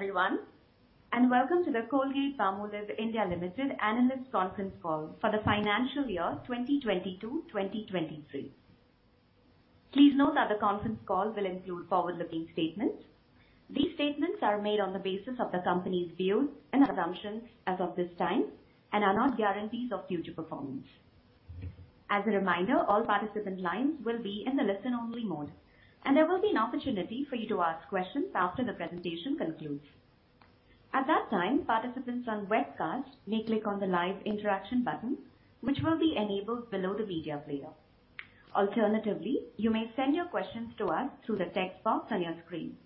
Good evening, everyone, welcome to the Colgate-Palmolive (India) Limited analyst conference call for the financial year 2022/2023. Please note that the conference call will include forward-looking statements. These statements are made on the basis of the company's views and assumptions as of this time and are not guarantees of future performance. As a reminder, all participant lines will be in the listen-only mode, and there will be an opportunity for you to ask questions after the presentation concludes. At that time, participants on webcast may click on the live interaction button, which will be enabled below the media player. Alternatively, you may send your questions to us through the text box on your screen.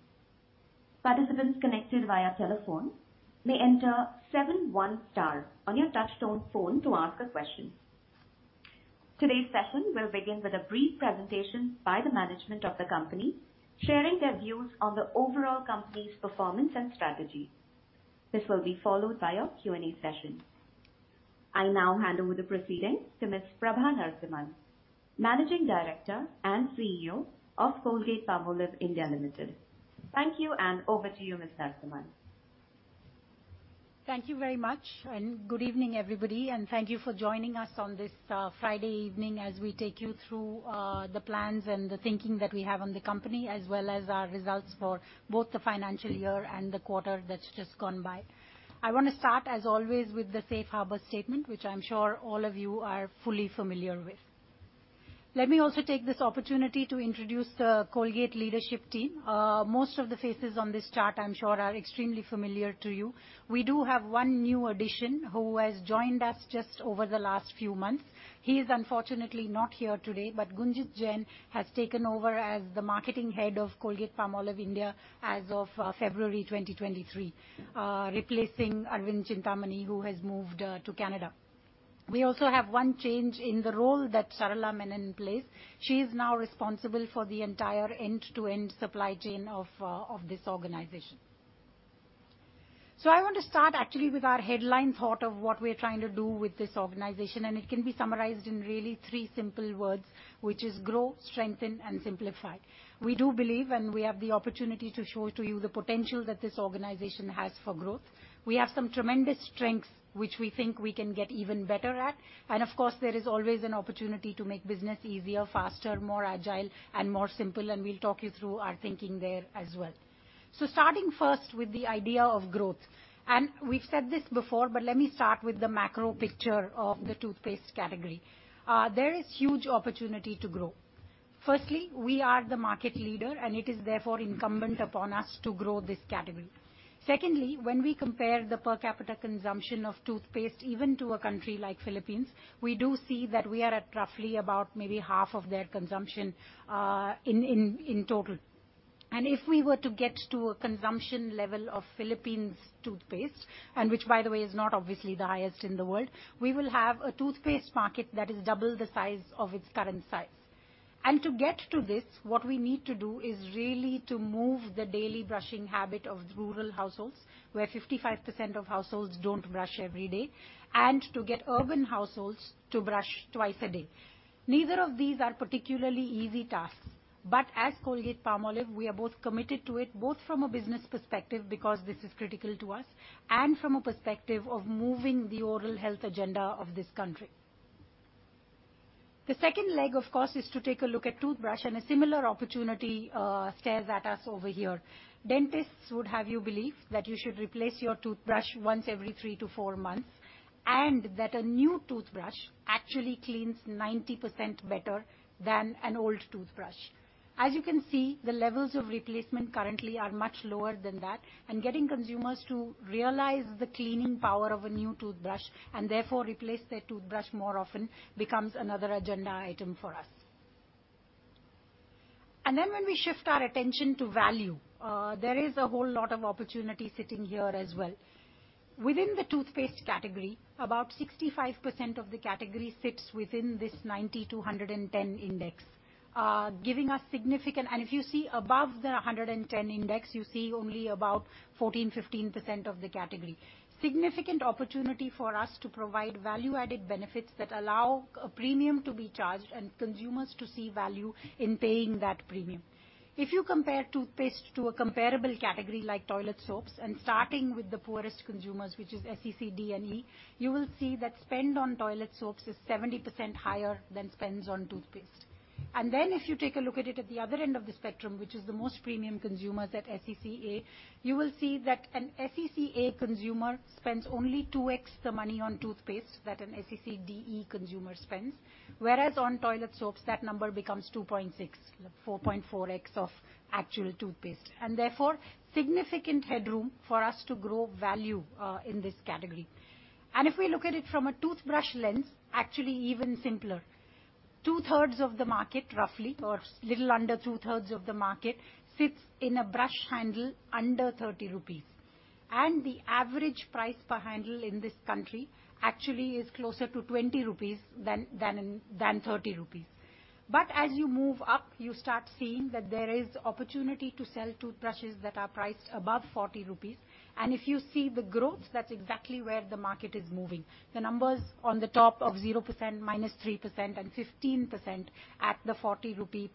Participants connected via telephone may enter 71 star on your touch-tone phone to ask a question. Today's session will begin with a brief presentation by the management of the company, sharing their views on the overall company's performance and strategy. This will be followed by our Q&A session. I now hand over the proceedings to Ms. Prabha Narasimhan, Managing Director and CEO of Colgate-Palmolive (India) Limited. Thank you, and over to you, Ms. Narasimhan. Thank you very much, and good evening, everybody, and thank you for joining us on this Friday evening as we take you through the plans and the thinking that we have on the company, as well as our results for both the financial year and the quarter that's just gone by. I wanna start, as always, with the safe harbor statement, which I'm sure all of you are fully familiar with. Let me also take this opportunity to introduce the Colgate leadership team. Most of the faces on this chart, I'm sure are extremely familiar to you. We do have one new addition who has joined us just over the last few months. He is unfortunately not here today, but Gunjit Jain has taken over as the Marketing Head of Colgate-Palmolive India as of February 2023, replacing Arvind Chintamani, who has moved to Canada. We also have one change in the role that Sarala Menon plays. She is now responsible for the entire end-to-end supply chain of this organization. I want to start actually with our headline thought of what we're trying to do with this organization, and it can be summarized in really three simple words, which is grow, strengthen, and simplify. We do believe, and we have the opportunity to show it to you, the potential that this organization has for growth. We have some tremendous strengths which we think we can get even better at. Of course, there is always an opportunity to make business easier, faster, more agile and more simple, and we'll talk you through our thinking there as well. Starting first with the idea of growth, and we've said this before, but let me start with the macro picture of the toothpaste category. There is huge opportunity to grow. Firstly, we are the market leader, and it is therefore incumbent upon us to grow this category. Secondly, when we compare the per capita consumption of toothpaste, even to a country like Philippines, we do see that we are at roughly about maybe half of their consumption in total. If we were to get to a consumption level of Philippines toothpaste, and which, by the way, is not obviously the highest in the world, we will have a toothpaste market that is double the size of its current size. To get to this, what we need to do is really to move the daily brushing habit of rural households, where 55% of households don't brush every day, and to get urban households to brush twice a day. Neither of these are particularly easy tasks. As Colgate-Palmolive, we are both committed to it, both from a business perspective, because this is critical to us, and from a perspective of moving the oral health agenda of this country. The second leg, of course, is to take a look at toothbrush, and a similar opportunity stares at us over here. Dentists would have you believe that you should replace your toothbrush once every three to four months, and that a new toothbrush actually cleans 90% better than an old toothbrush. As you can see, the levels of replacement currently are much lower than that, getting consumers to realize the cleaning power of a new toothbrush, and therefore replace their toothbrush more often, becomes another agenda item for us. When we shift our attention to value, there is a whole lot of opportunity sitting here as well. Within the toothpaste category, about 65% of the category sits within this 90 to 110 index. If you see above the 110 index, you see only about 14%, 15% of the category. Significant opportunity for us to provide value-added benefits that allow a premium to be charged and consumers to see value in paying that premium. If you compare toothpaste to a comparable category like toilet soaps, starting with the poorest consumers, which is SEC D and E, you will see that spend on toilet soaps is 70% higher than spends on toothpaste. If you take a look at it at the other end of the spectrum, which is the most premium consumers at SEC A, you will see that an SEC A consumer spends only 2x the money on toothpaste that an SEC D, E consumer spends. Whereas on toilet soaps, that number becomes 2.6x, 4.4x of actual toothpaste, therefore, significant headroom for us to grow value in this category. If we look at it from a toothbrush lens, actually even simpler. Two-thirds of the market, roughly, or little under two-thirds of the market, sits in a brush handle under 30 rupees. The average price per handle in this country actually is closer to 20 rupees than 30 rupees. As you move up, you start seeing that there is opportunity to sell toothbrushes that are priced above 40 rupees. If you see the growth, that's exactly where the market is moving. The numbers on the top of 0%, -3% and 15% at the 40+ rupee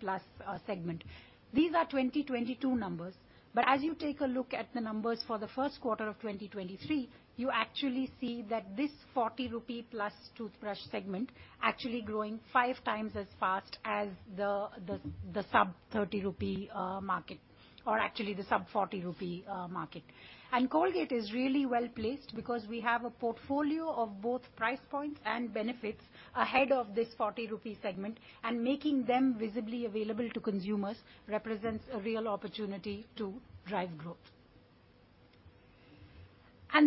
segment. These are 2022 numbers. As you take a look at the numbers for the 1st quarter of 2023, you actually see that this 40+ rupee toothbrush segment actually growing 5 times as fast as the sub 30 rupee market, or actually the sub 40 rupee market. Colgate is really well placed because we have a portfolio of both price points and benefits ahead of this 40 rupee segment, and making them visibly available to consumers represents a real opportunity to drive growth.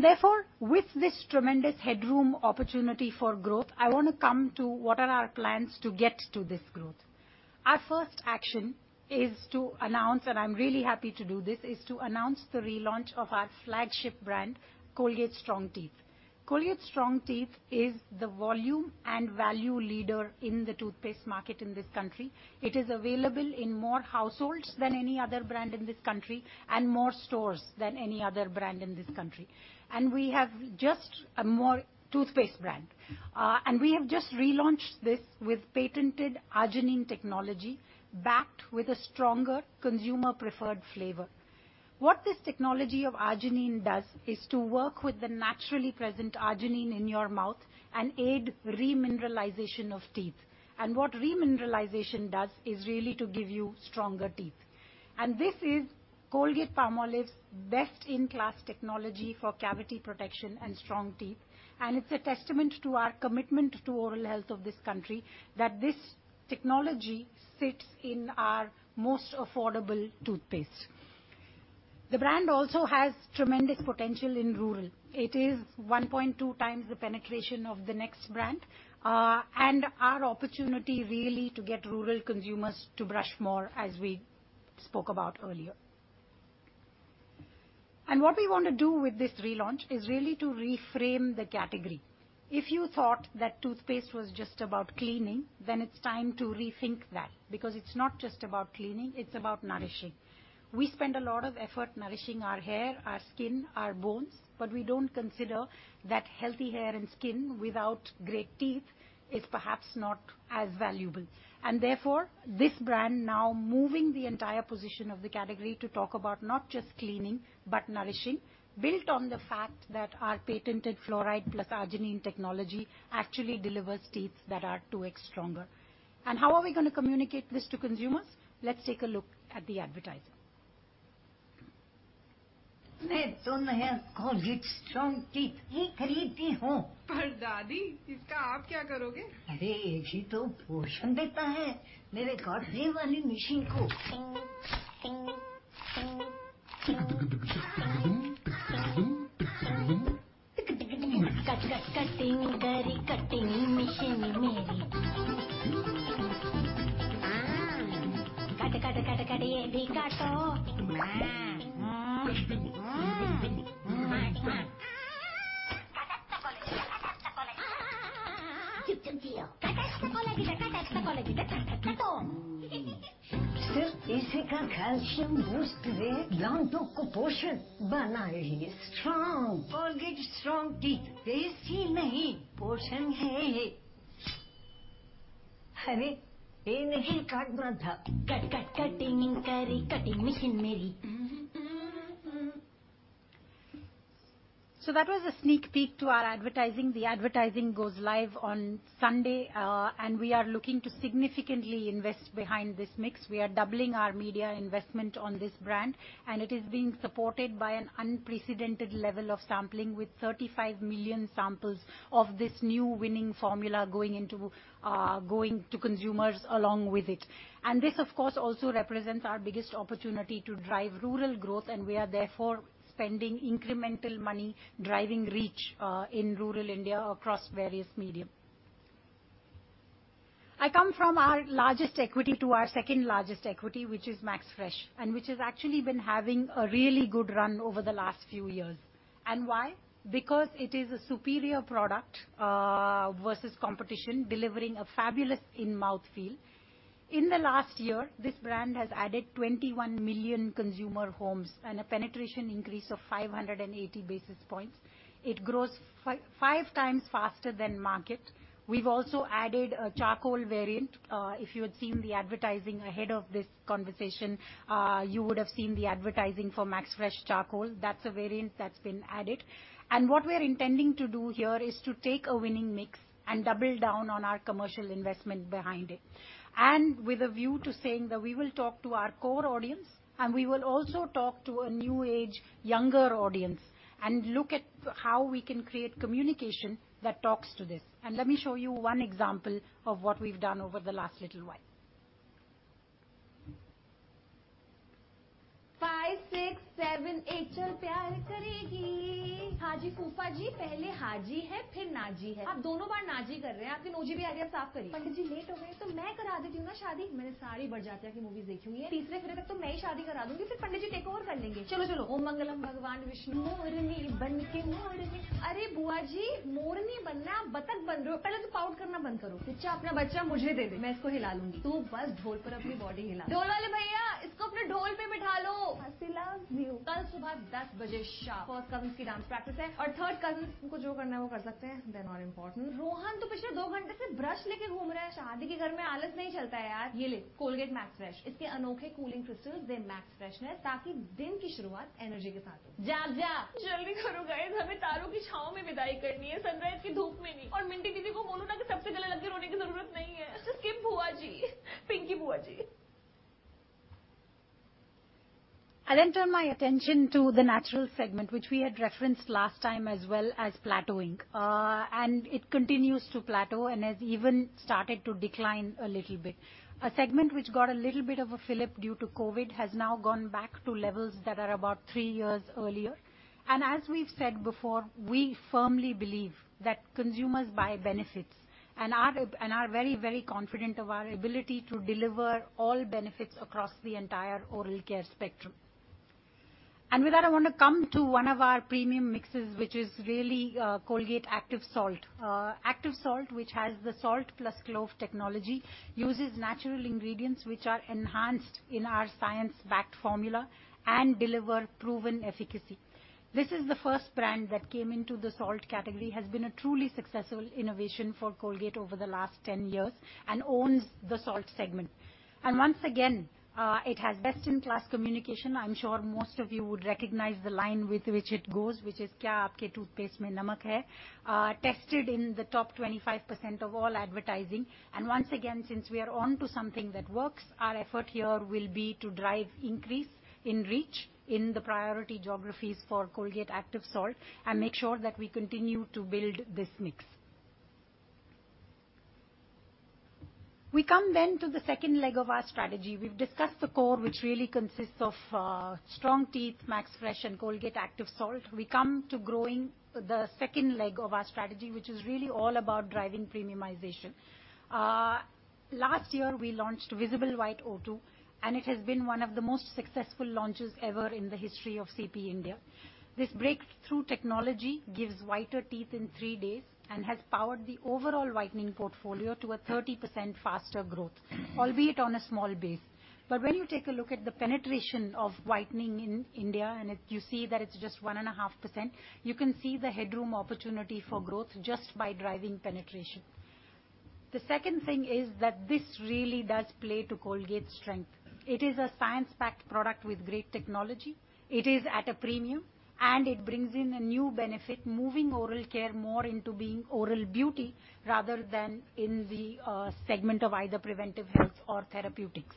Therefore, with this tremendous headroom opportunity for growth, I wanna come to what are our plans to get to this growth. Our first action is to announce, and I'm really happy to do this, is to announce the relaunch of our flagship brand, Colgate Strong Teeth. Colgate Strong Teeth is the volume and value leader in the toothpaste market in this country. It is available in more households than any other brand in this country and more stores than any other brand in this country. We have just a more toothpaste brand. We have just relaunched this with patented arginine technology, backed with a stronger consumer preferred flavor. What this technology of arginine does is to work with the naturally present arginine in your mouth and aid remineralization of teeth. What remineralization does is really to give you stronger teeth. This is Colgate-Palmolive's best-in-class technology for cavity protection and strong teeth, and it's a testament to our commitment to oral health of this country that this technology sits in our most affordable toothpaste. The brand also has tremendous potential in rural. It is 1.2x the penetration of the next brand, our opportunity really to get rural consumers to brush more, as we spoke about earlier. What we wanna do with this relaunch is really to reframe the category. If you thought that toothpaste was just about cleaning, then it's time to rethink that, because it's not just about cleaning, it's about nourishing. We spend a lot of effort nourishing our hair, our skin, our bones, but we don't consider that healthy hair and skin without great teeth is perhaps not as valuable. Therefore, this brand now moving the entire position of the category to talk about not just cleaning, but nourishing, built on the fact that our patented fluoride plus arginine technology actually delivers teeth that are 2x stronger. How are we gonna communicate this to consumers? Let's take a look at the advertising. That was a sneak peek to our advertising. The advertising goes live on Sunday, and we are looking to significantly invest behind this mix. We are doubling our media investment on this brand, and it is being supported by an unprecedented level of sampling, with 35 million samples of this new winning formula going into, going to consumers along with it. This, of course, also represents our biggest opportunity to drive rural growth, and we are therefore spending incremental money driving reach in rural India across various medium. I come from our largest equity to our second-largest equity, which is Max Fresh, and which has actually been having a really good run over the last few years. Why? Because it is a superior product versus competition, delivering a fabulous in-mouth feel. In the last year, this brand has added 21 million consumer homes and a penetration increase of 580 basis points. It grows 5x faster than market. We've also added a charcoal variant. If you had seen the advertising ahead of this conversation, you would have seen the advertising for Max Fresh Charcoal. That's a variant that's been added. What we're intending to do here is to take a winning mix and double down on our commercial investment behind it. With a view to saying that we will talk to our core audience and we will also talk to a new age, younger audience and look at how we can create communication that talks to this. Let me show you one example of what we've done over the last little while. Five, six, seven, eight. I then turn my attention to the natural segment, which we had referenced last time as well as plateauing. It continues to plateau and has even started to decline a little bit. A segment which got a little bit of a fillip due to COVID has now gone back to levels that are about three years earlier. As we've said before, we firmly believe that consumers buy benefits and are very, very confident of our ability to deliver all benefits across the entire oral care spectrum. With that, I wanna come to one of our premium mixes, which is really Colgate Active Salt. Active Salt, which has the salt plus clove technology, uses natural ingredients which are enhanced in our science-backed formula and deliver proven efficacy. This is the first brand that came into the salt category, has been a truly successful innovation for Colgate over the last 10 years and owns the salt segment. Once again, it has best-in-class communication. I'm sure most of you would recognize the line with which it goes, which is, Kya Aapke Toothpaste Mein Namak Hai?" Tested in the top 25% of all advertising. Once again, since we are onto something that works, our effort here will be to drive increase in reach in the priority geographies for Colgate Active Salt and make sure that we continue to build this mix. We come then to the second leg of our strategy. We've discussed the core, which really consists of Strong Teeth, Max Fresh, and Colgate Active Salt. We come to growing the second leg of our strategy, which is really all about driving premiumization. Last year, we launched Visible White O2, and it has been one of the most successful launches ever in the history of CP India. This breakthrough technology gives whiter teeth in three days and has powered the overall whitening portfolio to a 30% faster growth, albeit on a small base. When you take a look at the penetration of whitening in India, you see that it's just 1.5%, you can see the headroom opportunity for growth just by driving penetration. The second thing is that this really does play to Colgate's strength. It is a science-backed product with great technology. It is at a premium, and it brings in a new benefit, moving oral care more into being oral beauty rather than in the segment of either preventive health or therapeutics.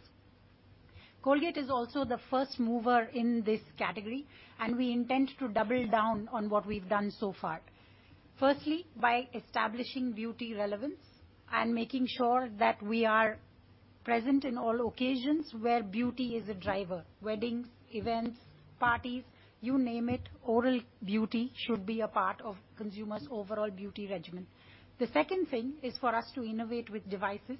Colgate is also the first mover in this category, we intend to double down on what we've done so far. Firstly, by establishing beauty relevance and making sure that we are present in all occasions where beauty is a driver. Weddings, events, parties, you name it, oral beauty should be a part of consumers' overall beauty regimen. The second thing is for us to innovate with devices,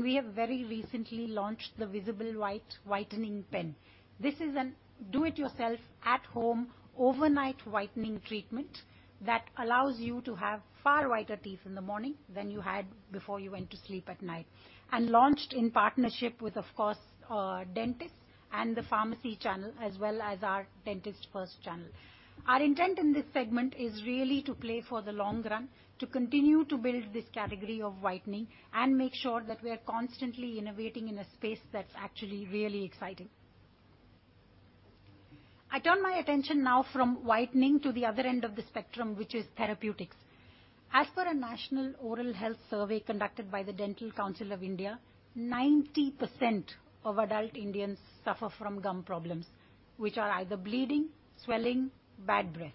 we have very recently launched the Visible White Whitening Pen. This is an do it yourself at home overnight whitening treatment that allows you to have far whiter teeth in the morning than you had before you went to sleep at night. Launched in partnership with, of course, dentists and the pharmacy channel, as well as our Dentist FIRST channel. Our intent in this segment is really to play for the long run, to continue to build this category of whitening and make sure that we are constantly innovating in a space that's actually really exciting. I turn my attention now from whitening to the other end of the spectrum, which is therapeutics. As per a National Oral Health Survey conducted by the Dental Council of India, 90% of adult Indians suffer from gum problems, which are either bleeding, swelling, bad breath.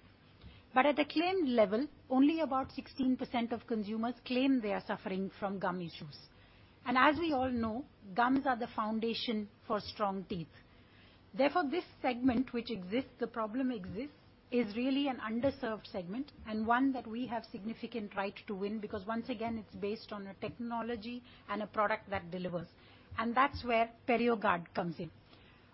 At a claim level, only about 16% of consumers claim they are suffering from gum issues. As we all know, gums are the foundation for strong teeth. Therefore, this segment which exists, the problem exists, is really an underserved segment and one that we have significant right to win because once again, it's based on a technology and a product that delivers, and that's where PerioGard comes in.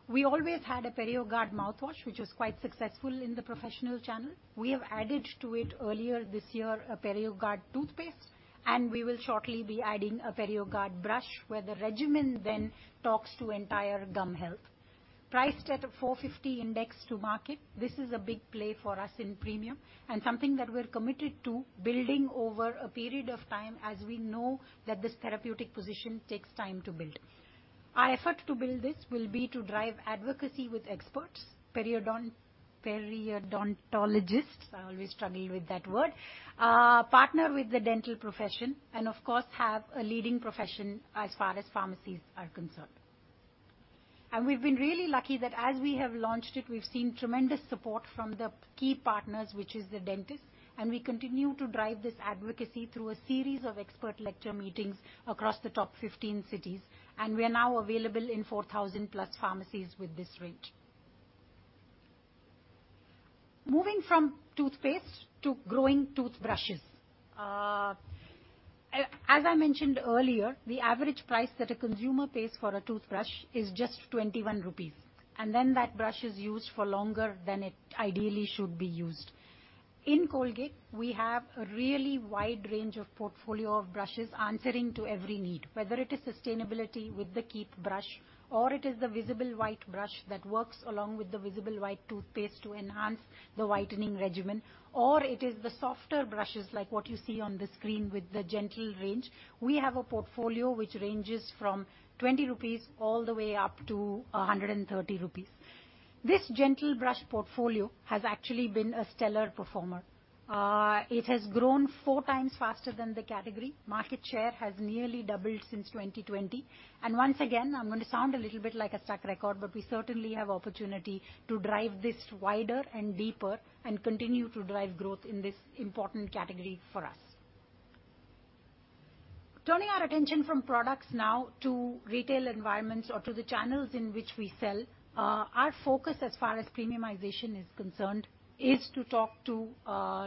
We always had a PerioGard mouthwash, which was quite successful in the professional channel. We have added to it earlier this year, a PerioGard toothpaste, and we will shortly be adding a PerioGard brush, where the regimen then talks to entire gum health. Priced at a 450 index to market, this is a big play for us in premium and something that we're committed to building over a period of time as we know that this therapeutic position takes time to build. Our effort to build this will be to drive advocacy with experts, periodontologists, I always struggle with that word. partner with the dental profession and of course, have a leading profession as far as pharmacies are concerned. We've been really lucky that as we have launched it, we've seen tremendous support from the key partners, which is the dentist. We continue to drive this advocacy through a series of expert lecture meetings across the top 15 cities, and we are now available in 4,000+ pharmacies with this range. Moving from toothpaste to growing toothbrushes. As I mentioned earlier, the average price that a consumer pays for a toothbrush is just 21 rupees, and then that brush is used for longer than it ideally should be used. In Colgate, we have a really wide range of portfolio of brushes answering to every need, whether it is sustainability with the Keep brush, or it is the Visible White brush that works along with the Visible White toothpaste to enhance the whitening regimen, or it is the softer brushes like what you see on the screen with the Gentle range. We have a portfolio which ranges from 20 rupees all the way up to 130 rupees. This Gentle brush portfolio has actually been a stellar performer. It has grown 4x faster than the category. Market share has nearly doubled since 2020. Once again, I'm gonna sound a little bit like a stuck record, but we certainly have opportunity to drive this wider and deeper and continue to drive growth in this important category for us. Turning our attention from products now to retail environments or to the channels in which we sell, our focus as far as premiumization is concerned is to talk to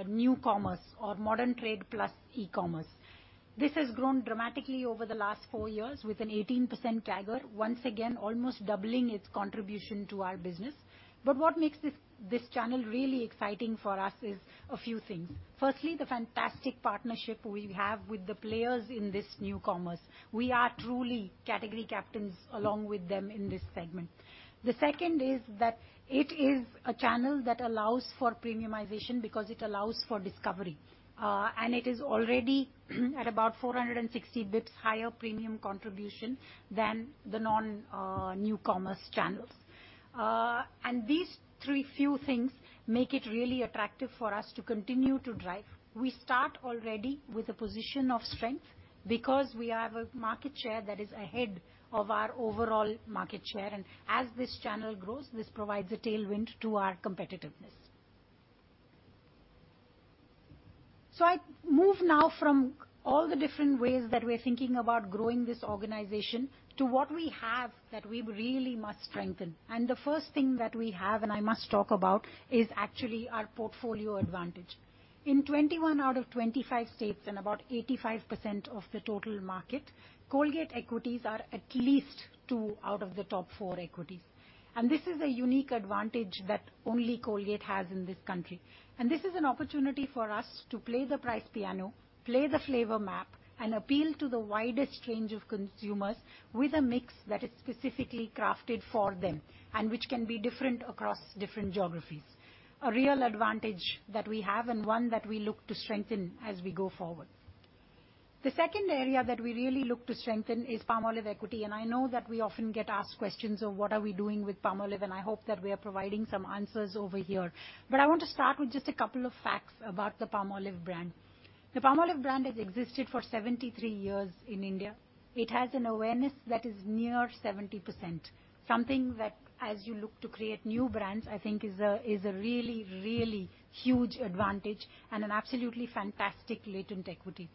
new commerce or modern trade plus e-commerce. This has grown dramatically over the last four years with an 18% CAGR, once again, almost doubling its contribution to our business. What makes this channel really exciting for us is a few things. Firstly, the fantastic partnership we have with the players in this new commerce. We are truly category captains along with them in this segment. The second is that it is a channel that allows for premiumization because it allows for discovery, and it is already at about 460 BPS higher premium contribution than the non, new commerce channels. These three few things make it really attractive for us to continue to drive. We start already with a position of strength because we have a market share that is ahead of our overall market share. As this channel grows, this provides a tailwind to our competitiveness. I move now from all the different ways that we're thinking about growing this organization to what we have that we really must strengthen. The first thing that we have, and I must talk about, is actually our portfolio advantage. In 21 out of 25 states and about 85% of the total market, Colgate equities are at least two out of the top four equities. This is a unique advantage that only Colgate has in this country. This is an opportunity for us to play the price piano, play the flavor map, and appeal to the widest range of consumers with a mix that is specifically crafted for them and which can be different across different geographies. A real advantage that we have and one that we look to strengthen as we go forward. The second area that we really look to strengthen is Palmolive equity. I know that we often get asked questions of what are we doing with Palmolive, and I hope that we are providing some answers over here. I want to start with just a couple of facts about the Palmolive brand. The Palmolive brand has existed for 73 years in India. It has an awareness that is near 70%, something that as you look to create new brands, I think is a really, really huge advantage and an absolutely fantastic latent equity.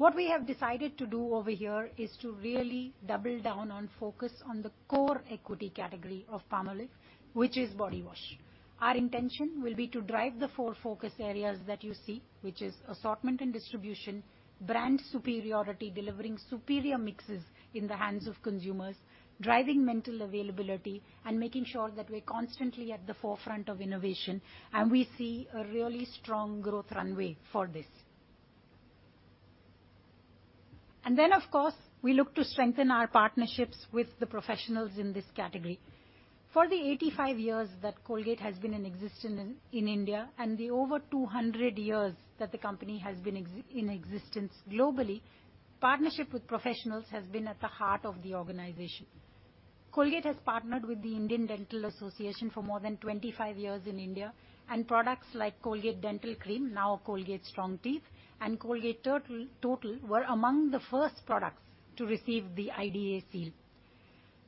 What we have decided to do over here is to really double down and focus on the core equity category of Palmolive, which is body wash. Our intention will be to drive the four focus areas that you see, which is assortment and distribution, brand superiority, delivering superior mixes in the hands of consumers, driving mental availability, and making sure that we're constantly at the forefront of innovation, and we see a really strong growth runway for this. Then, of course, we look to strengthen our partnerships with the professionals in this category. For the 85 years that Colgate has been in existence in India and the over 200 years that the company has been in existence globally, partnership with professionals has been at the heart of the organization. Colgate has partnered with the Indian Dental Association for more than 25 years in India, and products like Colgate Dental Cream, now Colgate Strong Teeth, and Colgate Total were among the first products to receive the IDA seal.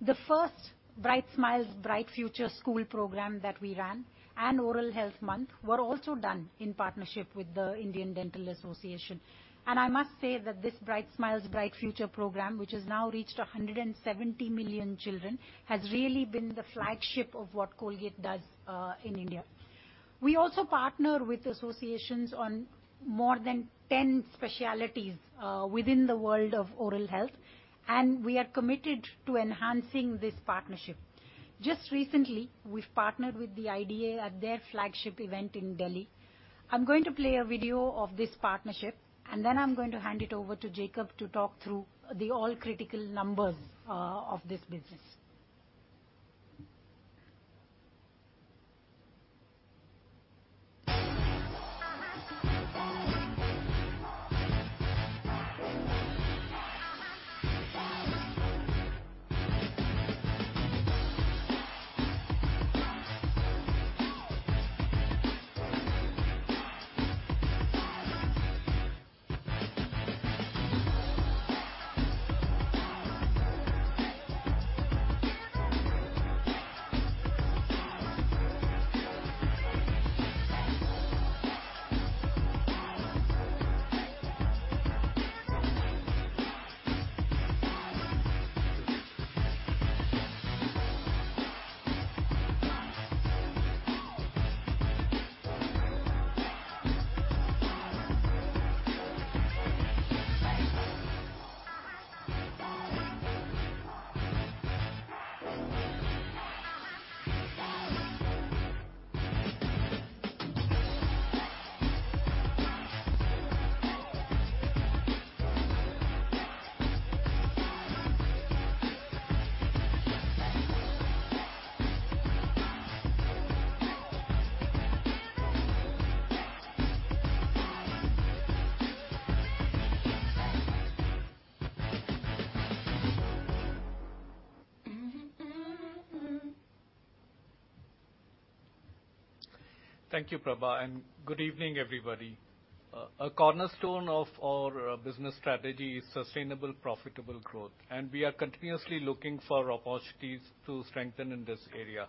The first Bright Smiles, Bright Future school program that we ran and Oral Health Month were also done in partnership with the Indian Dental Association. I must say that this Bright Smiles, Bright Future program, which has now reached 170 million children, has really been the flagship of what Colgate does in India. We also partner with associations on more than 10 specialties within the world of oral health. We are committed to enhancing this partnership. Just recently, we've partnered with the IDA at their flagship event in Delhi. I'm going to play a video of this partnership. Then I'm going to hand it over to Jacob to talk through the all critical numbers of this business. Thank you, Prabha, and good evening, everybody. A cornerstone of our business strategy is sustainable, profitable growth, and we are continuously looking for opportunities to strengthen in this area.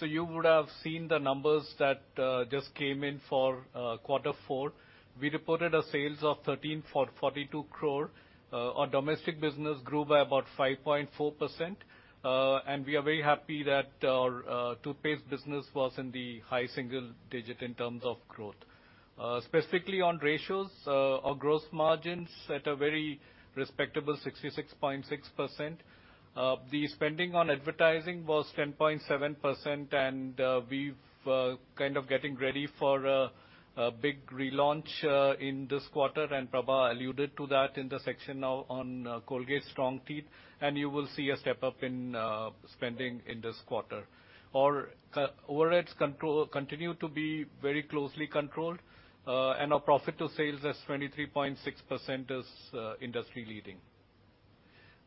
You would have seen the numbers that just came in for quarter four. We reported a sales of 1,342 crore. Our domestic business grew by about 5.4%. We are very happy that our toothpaste business was in the high single digit in terms of growth. Specifically on ratios, our gross margins at a very respectable 66.6%. The spending on advertising was 10.7%, and we've kind of getting ready for a big relaunch in this quarter, and Prabha alluded to that in the section now on Colgate Strong Teeth. You will see a step-up in spending in this quarter. Our overheads control continue to be very closely controlled, and our profit to sales is 23.6% is industry-leading.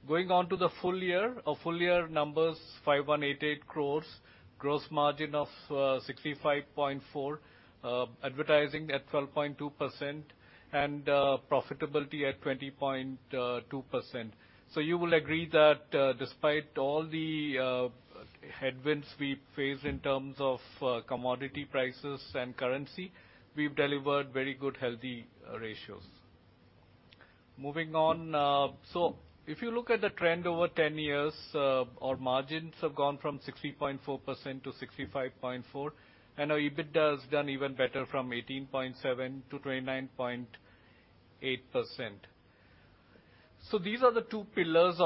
Going on to the full year. Our full year numbers, 5,188 crores. Gross margin of 65.4%. Advertising at 12.2%, and profitability at 20.2%. You will agree that despite all the headwinds we face in terms of commodity prices and currency, we've delivered very good, healthy ratios. Moving on, if you look at the trend over 10 years, our margins have gone from 60.4% to 65.4%. Our EBITDA has done even better from 18.7% to 29.8%. These are the two pillars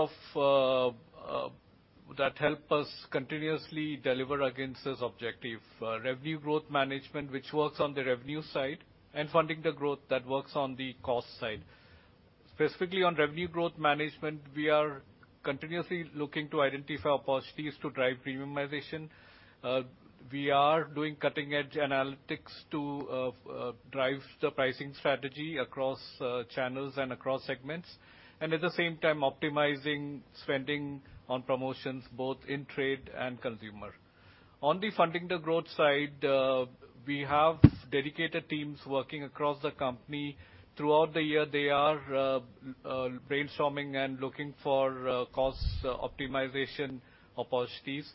that help us continuously deliver against this objective, revenue growth management, which works on the revenue side, and funding the growth that works on the cost side. Specifically on revenue growth management, we are continuously looking to identify opportunities to drive premiumization. We are doing cutting-edge analytics to drive the pricing strategy across channels and across segments, and at the same time optimizing spending on promotions both in trade and consumer. On the funding the growth side, we have dedicated teams working across the company. Throughout the year, they are brainstorming and looking for cost optimization opportunities.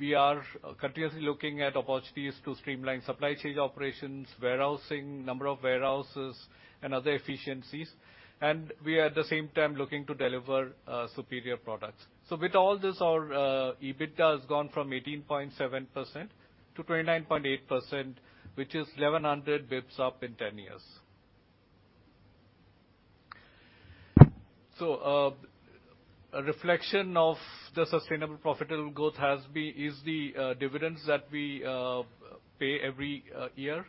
We are continuously looking at opportunities to streamline supply chain operations, warehousing, number of warehouses, and other efficiencies. We at the same time looking to deliver superior products. With all this, our EBITDA has gone from 18.7% to 29.8%, which is 1,100 basis points up in 10 years. A reflection of the sustainable profitable growth has been easily dividends that we pay every year.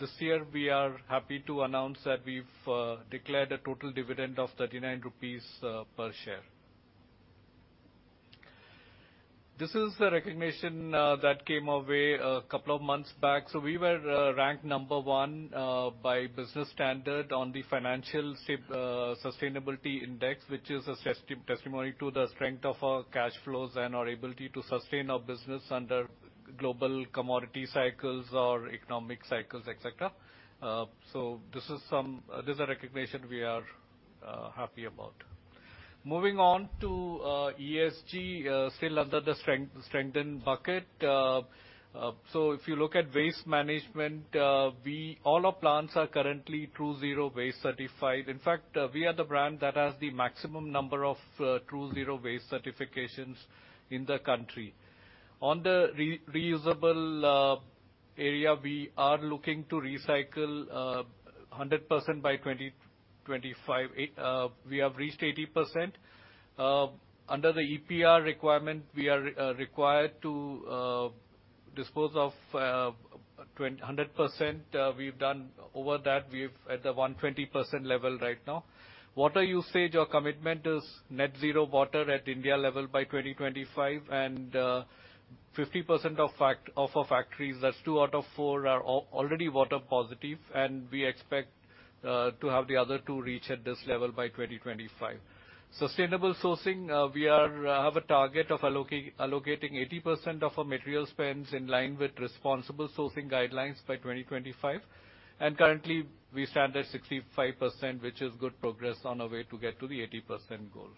This year we are happy to announce that we've declared a total dividend of 39 rupees per share. This is the recognition that came our way a couple of months back. We were ranked Number 1 by Business Standard on the Financial Sustainability Index, which is a testimony to the strength of our cash flows and our ability to sustain our business under global commodity cycles or economic cycles, et cetera. This is a recognition we are happy about. Moving on to ESG, still under the strengthen bucket. If you look at waste management, all our plants are currently TRUE Zero Waste certified. In fact, we are the brand that has the maximum number of TRUE Zero Waste certifications in the country. On the reusable area, we are looking to recycle 100% by 2025. We have reached 80%. Under the EPR requirement, we are required to dispose of 100%. We've done over that. We're at the 120% level right now. Water usage, our commitment is Net Zero water at India level by 2025. 50% of our factories, that's two out of four, are already water positive, and we expect to have the other two reach at this level by 2025. Sustainable sourcing, we have a target of allocating 80% of our material spends in line with responsible sourcing guidelines by 2025. Currently, we stand at 65%, which is good progress on our way to get to the 80% goal.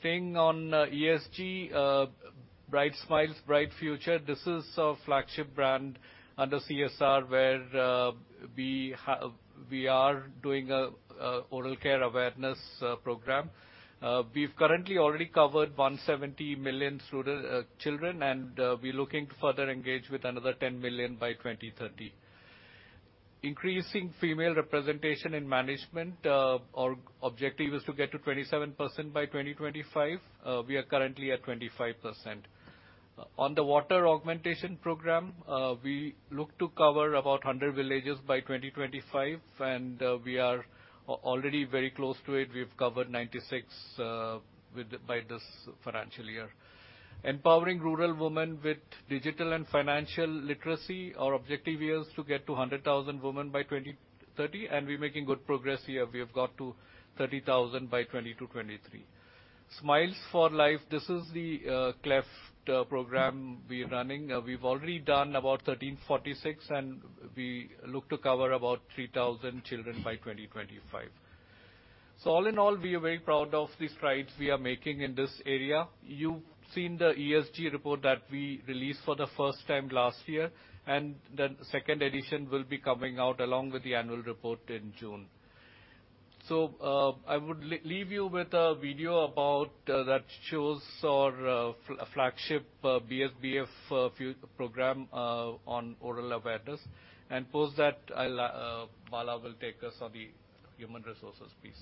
Staying on ESG, Bright Smiles, Bright Future, this is our flagship brand under CSR where we are doing an oral care awareness program. We've currently already covered 170 million student children, and we're looking to further engage with another 10 million by 2030. Increasing female representation in management, our objective is to get to 27% by 2025, we are currently at 25%. On the water augmentation program, we look to cover about 100 villages by 2025, and we are already very close to it. We've covered 96 with by this financial year. Empowering rural women with digital and financial literacy, our objective here is to get to 100,000 women by 2030, and we're making good progress here. We have got to 30,000 by 2022/2023. Smiles for Life, this is the cleft program we're running. We've already done about 1,346, and we look to cover about 3,000 children by 2025. All in all, we are very proud of the strides we are making in this area. You've seen the ESG report that we released for the first time last year, and the second edition will be coming out along with the annual report in June. I would leave you with a video about that shows our flagship BSBF program on oral awareness. Post that, I'll Bala will take us on the human resources piece.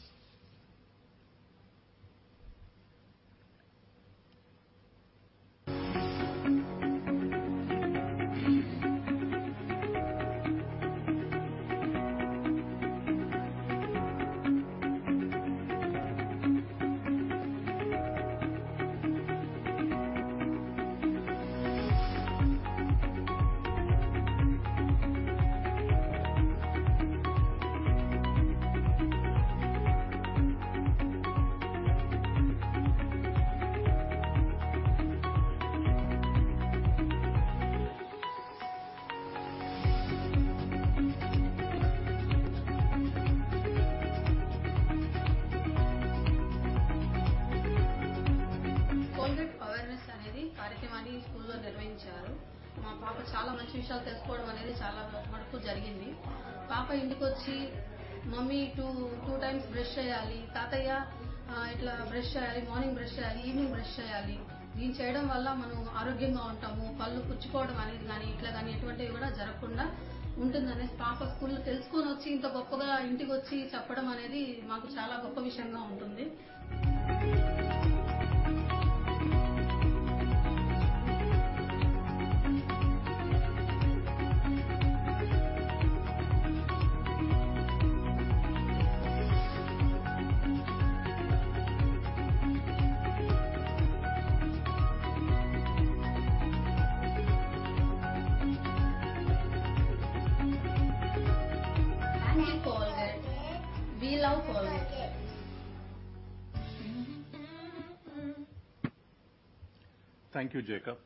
Thank you, Jacob.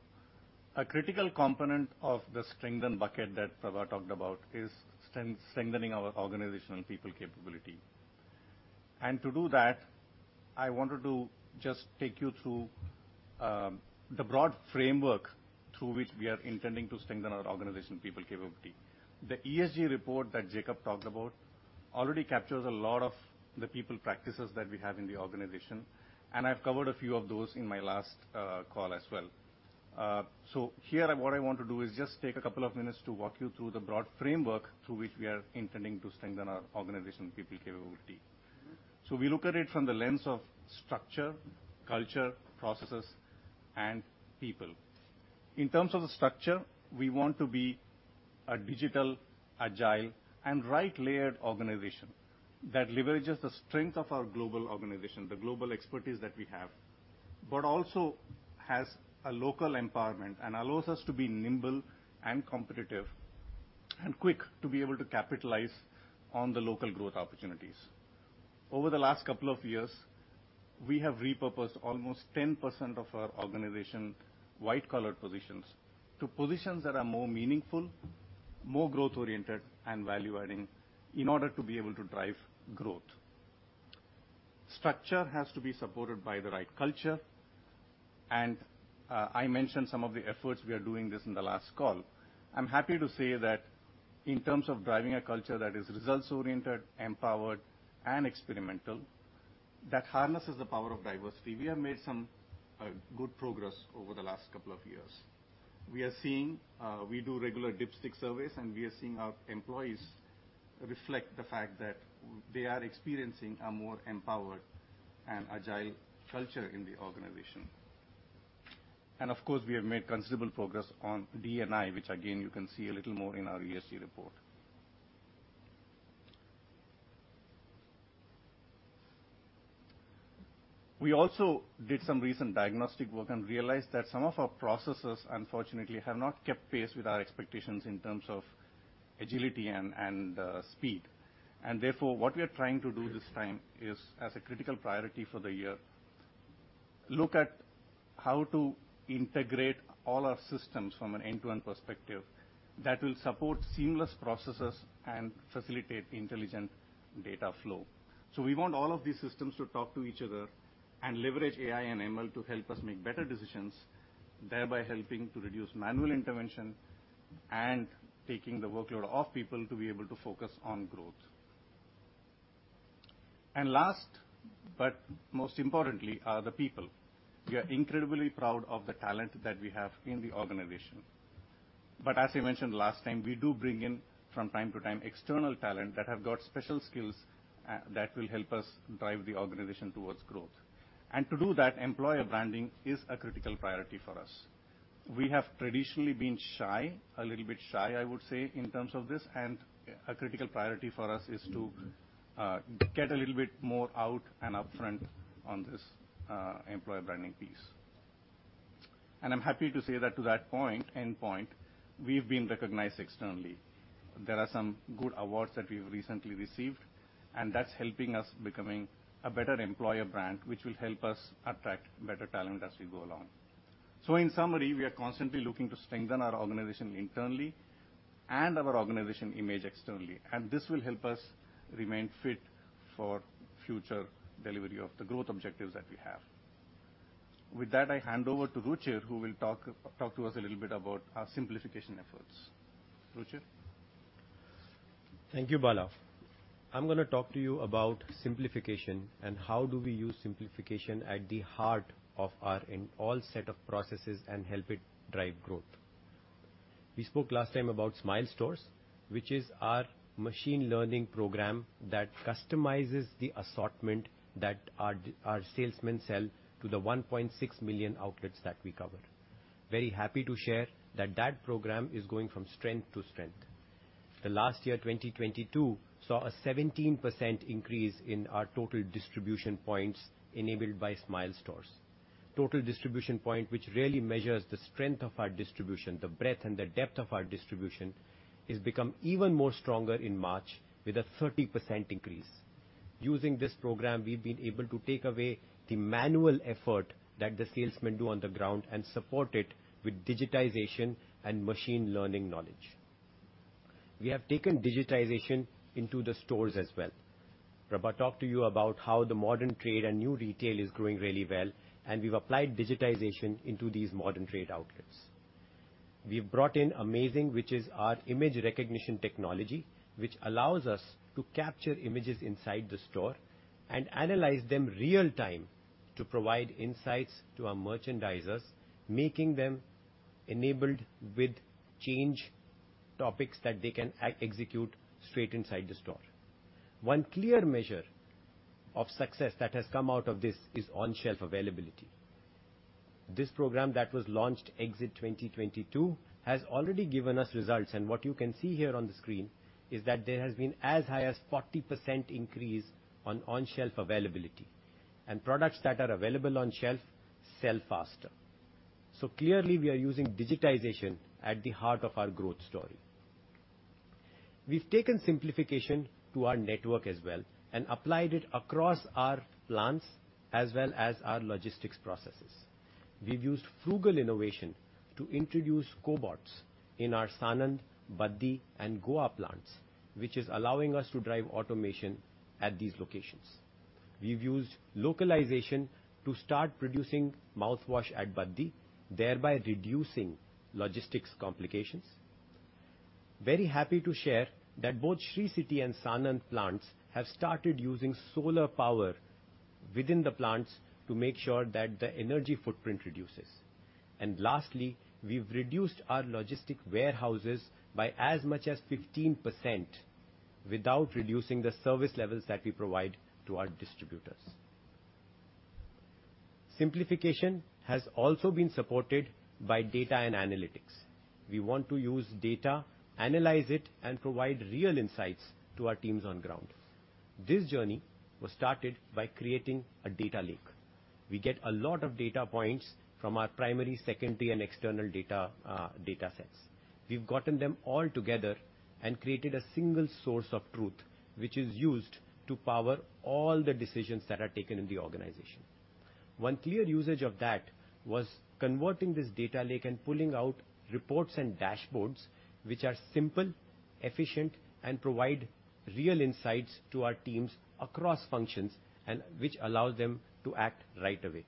A critical component of the strengthen bucket that Prabhat talked about is strengthening our organizational and people capability. To do that, I wanted to just take you through the broad framework through which we are intending to strengthen our organization people capability. The ESG report that Jacob talked about already captures a lot of the people practices that we have in the organization, and I've covered a few of those in my last call as well. Here what I want to do is just take a couple of minutes to walk you through the broad framework through which we are intending to strengthen our organization people capability. We look at it from the lens of structure, culture, processes, and people. In terms of the structure, we want to be a digital, agile and right layered organization that leverages the strength of our global organization, the global expertise that we have, but also has a local empowerment and allows us to be nimble and competitive and quick to be able to capitalize on the local growth opportunities. Over the last couple of years, we have repurposed almost 10% of our organization white-collar positions to positions that are more meaningful, more growth-oriented and value-adding in order to be able to drive growth. Structure has to be supported by the right culture, and I mentioned some of the efforts we are doing this in the last call. I'm happy to say that in terms of driving a culture that is results-oriented, empowered and experimental, that harnesses the power of diversity, we have made some good progress over the last couple of years. We are seeing, we do regular dipstick surveys, and we are seeing our employees reflect the fact that they are experiencing a more empowered and agile culture in the organization. Of course, we have made considerable progress on D&I which again you can see a little more in our ESG report. We also did some recent diagnostic work and realized that some of our processes, unfortunately, have not kept pace with our expectations in terms of agility and speed. Therefore, what we are trying to do this time is, as a critical priority for the year, look at how to integrate all our systems from an end-to-end perspective that will support seamless processes and facilitate intelligent data flow. We want all of these systems to talk to each other and leverage AI and ML to help us make better decisions, thereby helping to reduce manual intervention and taking the workload off people to be able to focus on growth. Last, but most importantly, are the people. We are incredibly proud of the talent that we have in the organization. As I mentioned last time, we do bring in, from time to time, external talent that have got special skills that will help us drive the organization towards growth. To do that, employer branding is a critical priority for us. We have traditionally been shy, a little bit shy, I would say, in terms of this, and a critical priority for us is to get a little bit more out and upfront on this employer branding piece. I'm happy to say that to that point, endpoint, we've been recognized externally. There are some good awards that we've recently received, and that's helping us becoming a better employer brand, which will help us attract better talent as we go along. In summary, we are constantly looking to strengthen our organization internally and our organization image externally, and this will help us remain fit for future delivery of the growth objectives that we have. I hand over to Ruchir, who will talk to us a little bit about our simplification efforts. Ruchir. Thank you, Balaji. I'm gonna talk to you about simplification and how do we use simplification at the heart of our in all set of processes and help it drive growth. We spoke last time about Smile Stores, which is our machine learning program that customizes the assortment that our salesmen sell to the 1.6 million outlets that we cover. Very happy to share that that program is going from strength to strength. The last year, 2022, saw a 17% increase in our total distribution points enabled by Smile Stores. Total distribution point, which really measures the strength of our distribution, the breadth and the depth of our distribution, is become even more stronger in March with a 30% increase. Using this program, we've been able to take away the manual effort that the salesmen do on the ground and support it with digitization and machine learning knowledge. We have taken digitization into the stores as well. Prabha talked to you about how the modern trade and new retail is growing really well. We've applied digitization into these modern trade outlets. We've brought in AmaZing, which is our image recognition technology, which allows us to capture images inside the store and analyze them real-time to provide insights to our merchandisers, making them enabled with change topics that they can execute straight inside the store. One clear measure of success that has come out of this is on-shelf availability. This program that was launched exit 2022 has already given us results. What you can see here on the screen is that there has been as high as 40% increase on on-shelf availability. Products that are available on shelf sell faster. Clearly, we are using digitization at the heart of our growth story. We've taken simplification to our network as well and applied it across our plants as well as our logistics processes. We've used frugal innovation to introduce cobots in our Sanand, Baddi, and Goa plants, which is allowing us to drive automation at these locations. We've used localization to start producing mouthwash at Baddi, thereby reducing logistics complications. Very happy to share that both Sri City and Sanand plants have started using solar power within the plants to make sure that the energy footprint reduces. Lastly, we've reduced our logistic warehouses by as much as 15% without reducing the service levels that we provide to our distributors. Simplification has also been supported by data and analytics. We want to use data, analyze it, and provide real insights to our teams on ground. This journey was started by creating a data lake. We get a lot of data points from our primary, secondary, and external data sets. We've gotten them all together and created a single source of truth, which is used to power all the decisions that are taken in the organization. One clear usage of that was converting this data lake and pulling out reports and dashboards which are simple, efficient, and provide real insights to our teams across functions and which allow them to act right away.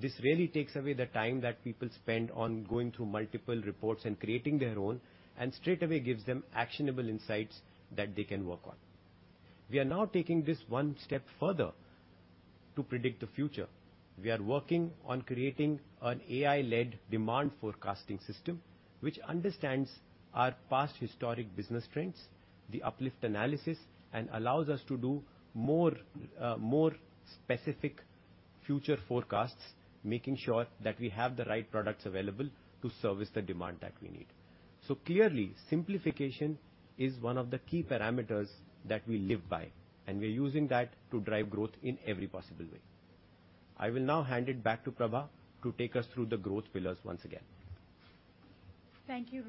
This really takes away the time that people spend on going through multiple reports and creating their own and straightaway gives them actionable insights that they can work on. We are now taking this one step further to predict the future. We are working on creating an AI-led demand forecasting system, which understands our past historic business trends, the uplift analysis, and allows us to do more, more specific future forecasts, making sure that we have the right products available to service the demand that we need. Clearly, simplification is one of the key parameters that we live by, and we're using that to drive growth in every possible way. I will now hand it back to Prabha to take us through the growth pillars once again. Thank you,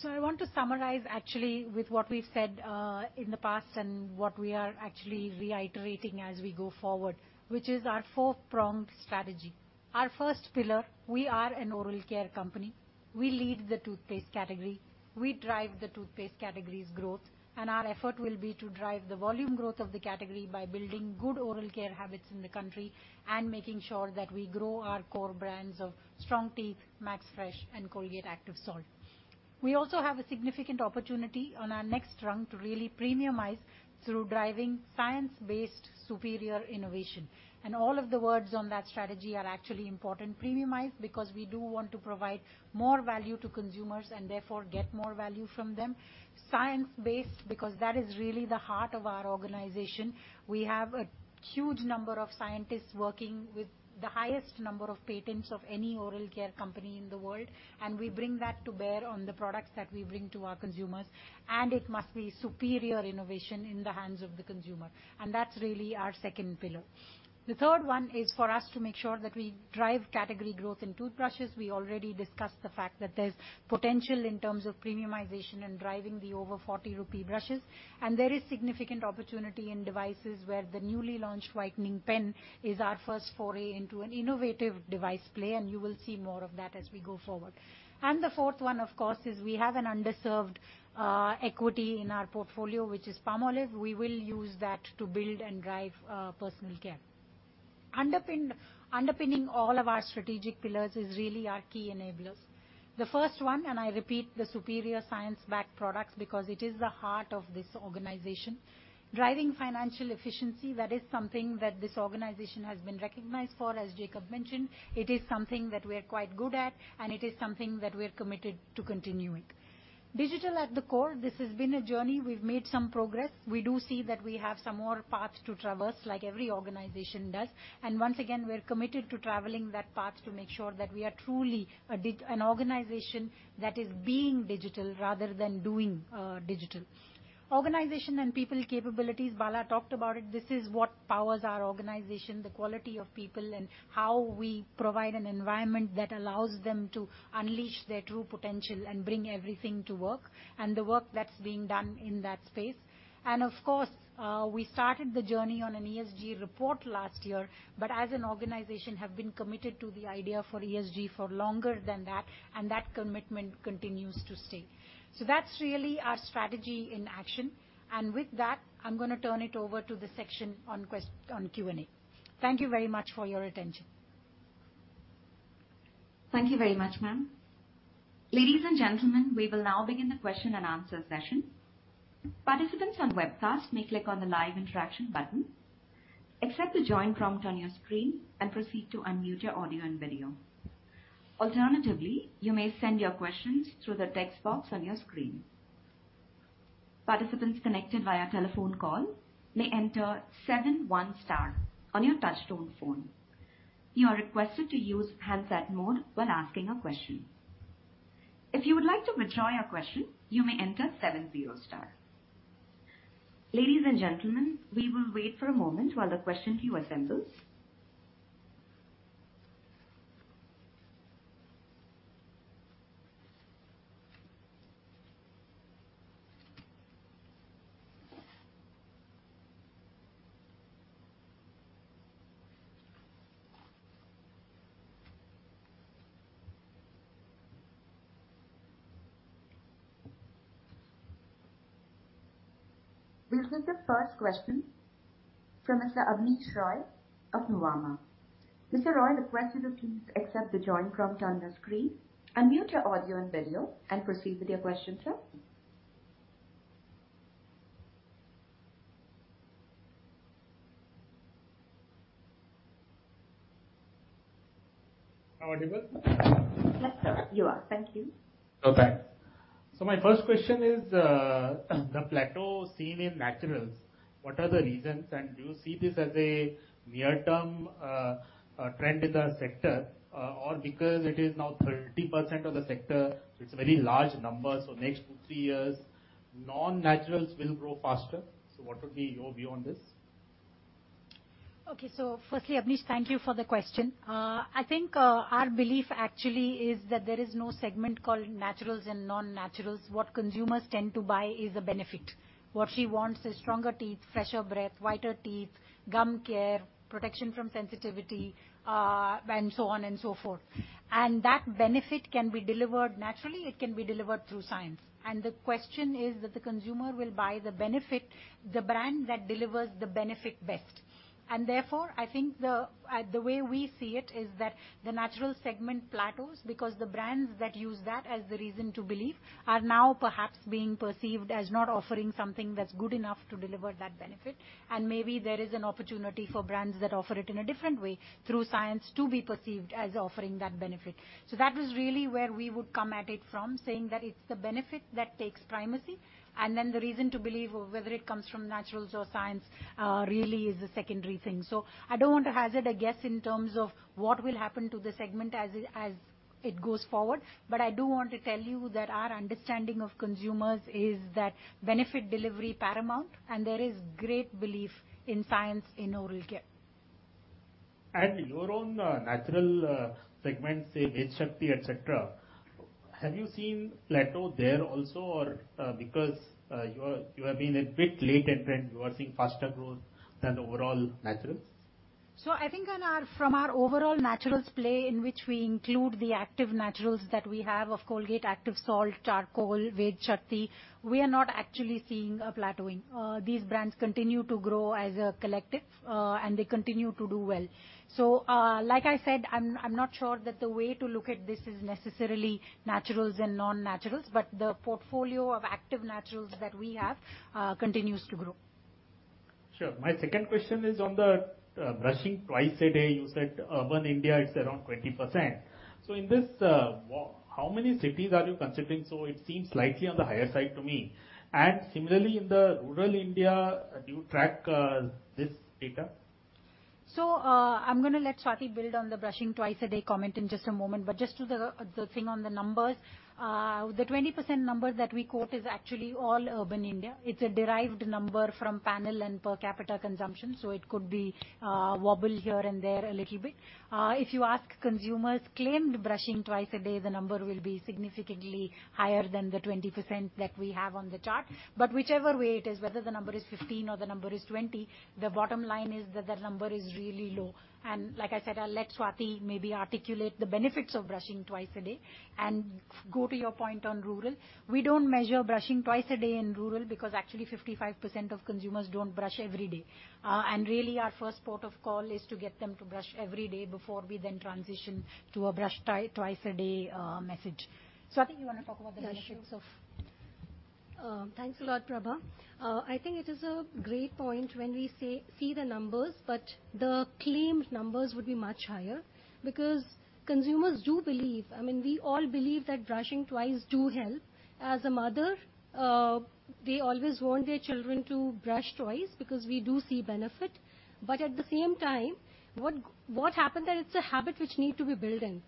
Ruchir. I want to summarize actually with what we've said in the past and what we are actually reiterating as we go forward, which is our four-pronged strategy. Our first pillar, we are an oral care company. We lead the toothpaste category, we drive the toothpaste category's growth, and our effort will be to drive the volume growth of the category by building good oral care habits in the country and making sure that we grow our core brands of Strong Teeth, Max Fresh, and Colgate Active Salt. We also have a significant opportunity on our next rung to really premiumize through driving science-based superior innovation. All of the words on that strategy are actually important. Premiumize, because we do want to provide more value to consumers and therefore get more value from them. Science-based, because that is really the heart of our organization. We have a huge number of scientists working with the highest number of patents of any oral care company in the world, and we bring that to bear on the products that we bring to our consumers, and it must be superior innovation in the hands of the consumer, and that's really our second pillar. The third one is for us to make sure that we drive category growth in toothbrushes. We already discussed the fact that there's potential in terms of premiumization and driving the over 40 rupee brushes. There is significant opportunity in devices where the newly launched Whitening Pen is our first foray into an innovative device play, and you will see more of that as we go forward. The fourth one, of course, is we have an underserved equity in our portfolio, which is Palmolive. We will use that to build and drive personal care. Underpinning all of our strategic pillars is really our key enablers. The first one, I repeat the superior science-backed products because it is the heart of this organization. Driving financial efficiency, that is something that this organization has been recognized for, as Jacob mentioned. It is something that we are quite good at, it is something that we're committed to continuing. Digital at the core. This has been a journey. We've made some progress. We do see that we have some more paths to traverse, like every organization does, once again, we're committed to traveling that path to make sure that we are truly an organization that is being digital rather than doing digital. Organization and people capabilities. Bala talked about it. This is what powers our organization, the quality of people, and how we provide an environment that allows them to unleash their true potential and bring everything to work, and the work that's being done in that space. Of course, we started the journey on an ESG report last year, but as an organization have been committed to the idea for ESG for longer than that, and that commitment continues to stay. That's really our strategy in action. With that, I'm gonna turn it over to the section on Q&A. Thank you very much for your attention. Thank you very much, ma'am. Ladies and gentlemen, we will now begin the question and answer session. Participants on webcast may click on the live interaction button, accept the join prompt on your screen, and proceed to unmute your audio and video. Alternatively, you may send your questions through the text box on your screen. Participants connected via telephone call may enter seven one star on your touchtone phone. You are requested to use handset mode when asking a question. If you would like to withdraw your question, you may enter seven zero star. Ladies and gentlemen, we will wait for a moment while the question queue assembles. This is the first question from Mr. Abneesh Roy of Nuvama. Mr. Roy, the questioner, please accept the join prompt on your screen, unmute your audio and video and proceed with your question, sir. Am I audible? Yes, sir. You are. Thank you. Oh, thanks. My first question is, the plateau seen in naturals, what are the reasons? Do you see this as a near-term trend in the sector, or because it is now 30% of the sector, it's a very large number, so next two three years, non-naturals will grow faster. What would be your view on this? Okay. Firstly, Abneesh, thank you for the question. I think, our belief actually is that there is no segment called naturals and non-naturals. What consumers tend to buy is a benefit. What she wants is stronger teeth, fresher breath, whiter teeth, gum care, protection from sensitivity, and so on and so forth. That benefit can be delivered naturally, it can be delivered through science. The question is that the consumer will buy the benefit, the brand that delivers the benefit best. Therefore, I think the way we see it is that the natural segment plateaus because the brands that use that as the reason to believe are now perhaps being perceived as not offering something that's good enough to deliver that benefit. Maybe there is an opportunity for brands that offer it in a different way through science to be perceived as offering that benefit. That is really where we would come at it from, saying that it's the benefit that takes primacy and then the reason to believe whether it comes from naturals or science, really is the secondary thing. I don't want to hazard a guess in terms of what will happen to the segment as it goes forward, but I do want to tell you that our understanding of consumers is that benefit delivery paramount and there is great belief in science in oral care. Your own natural segment, say Colgate Vedshakti, et cetera, have you seen plateau there also? Because you have been a bit late entrant, you are seeing faster growth than overall naturals. I think from our overall naturals play, in which we include the active naturals that we have of Colgate Active Salt, Charcoal, Colgate Vedshakti, we are not actually seeing a plateauing. These brands continue to grow as a collective, and they continue to do well. Like I said, I'm not sure that the way to look at this is necessarily naturals and non-naturals, but the portfolio of active naturals that we have continues to grow. Sure. My second question is on the brushing twice a day. You said urban India, it's around 20%. In this, how many cities are you considering? It seems slightly on the higher side to me. Similarly, in the rural India, do you track this data? I'm gonna let Swati build on the brushing twice a day comment in just a moment. Just to the thing on the numbers, the 20% number that we quote is actually all urban India. It's a derived number from panel and per capita consumption, so it could be wobble here and there a little bit. If you ask consumers claimed brushing twice a day, the number will be significantly higher than the 20% that we have on the chart. Whichever way it is, whether the number is 15% or the number is 20%, the bottom line is that number is really low. Like I said, I'll let Swati maybe articulate the benefits of brushing twice a day and go to your point on rural. We don't measure brushing twice a day in rural because actually 55% of consumers don't brush every day. Really our first port of call is to get them to brush every day before we then transition to a brush twice a day message. Swati, you wanna talk about the initiatives of- Yeah, sure. Thanks a lot, Prabha. I think it is a great point when we say see the numbers, but the claimed numbers would be much higher because consumers do believe, I mean, we all believe that brushing twice do help. As a mother, they always want their children to brush twice because we do see benefit. At the same time, what happened that it's a habit which need to be built in.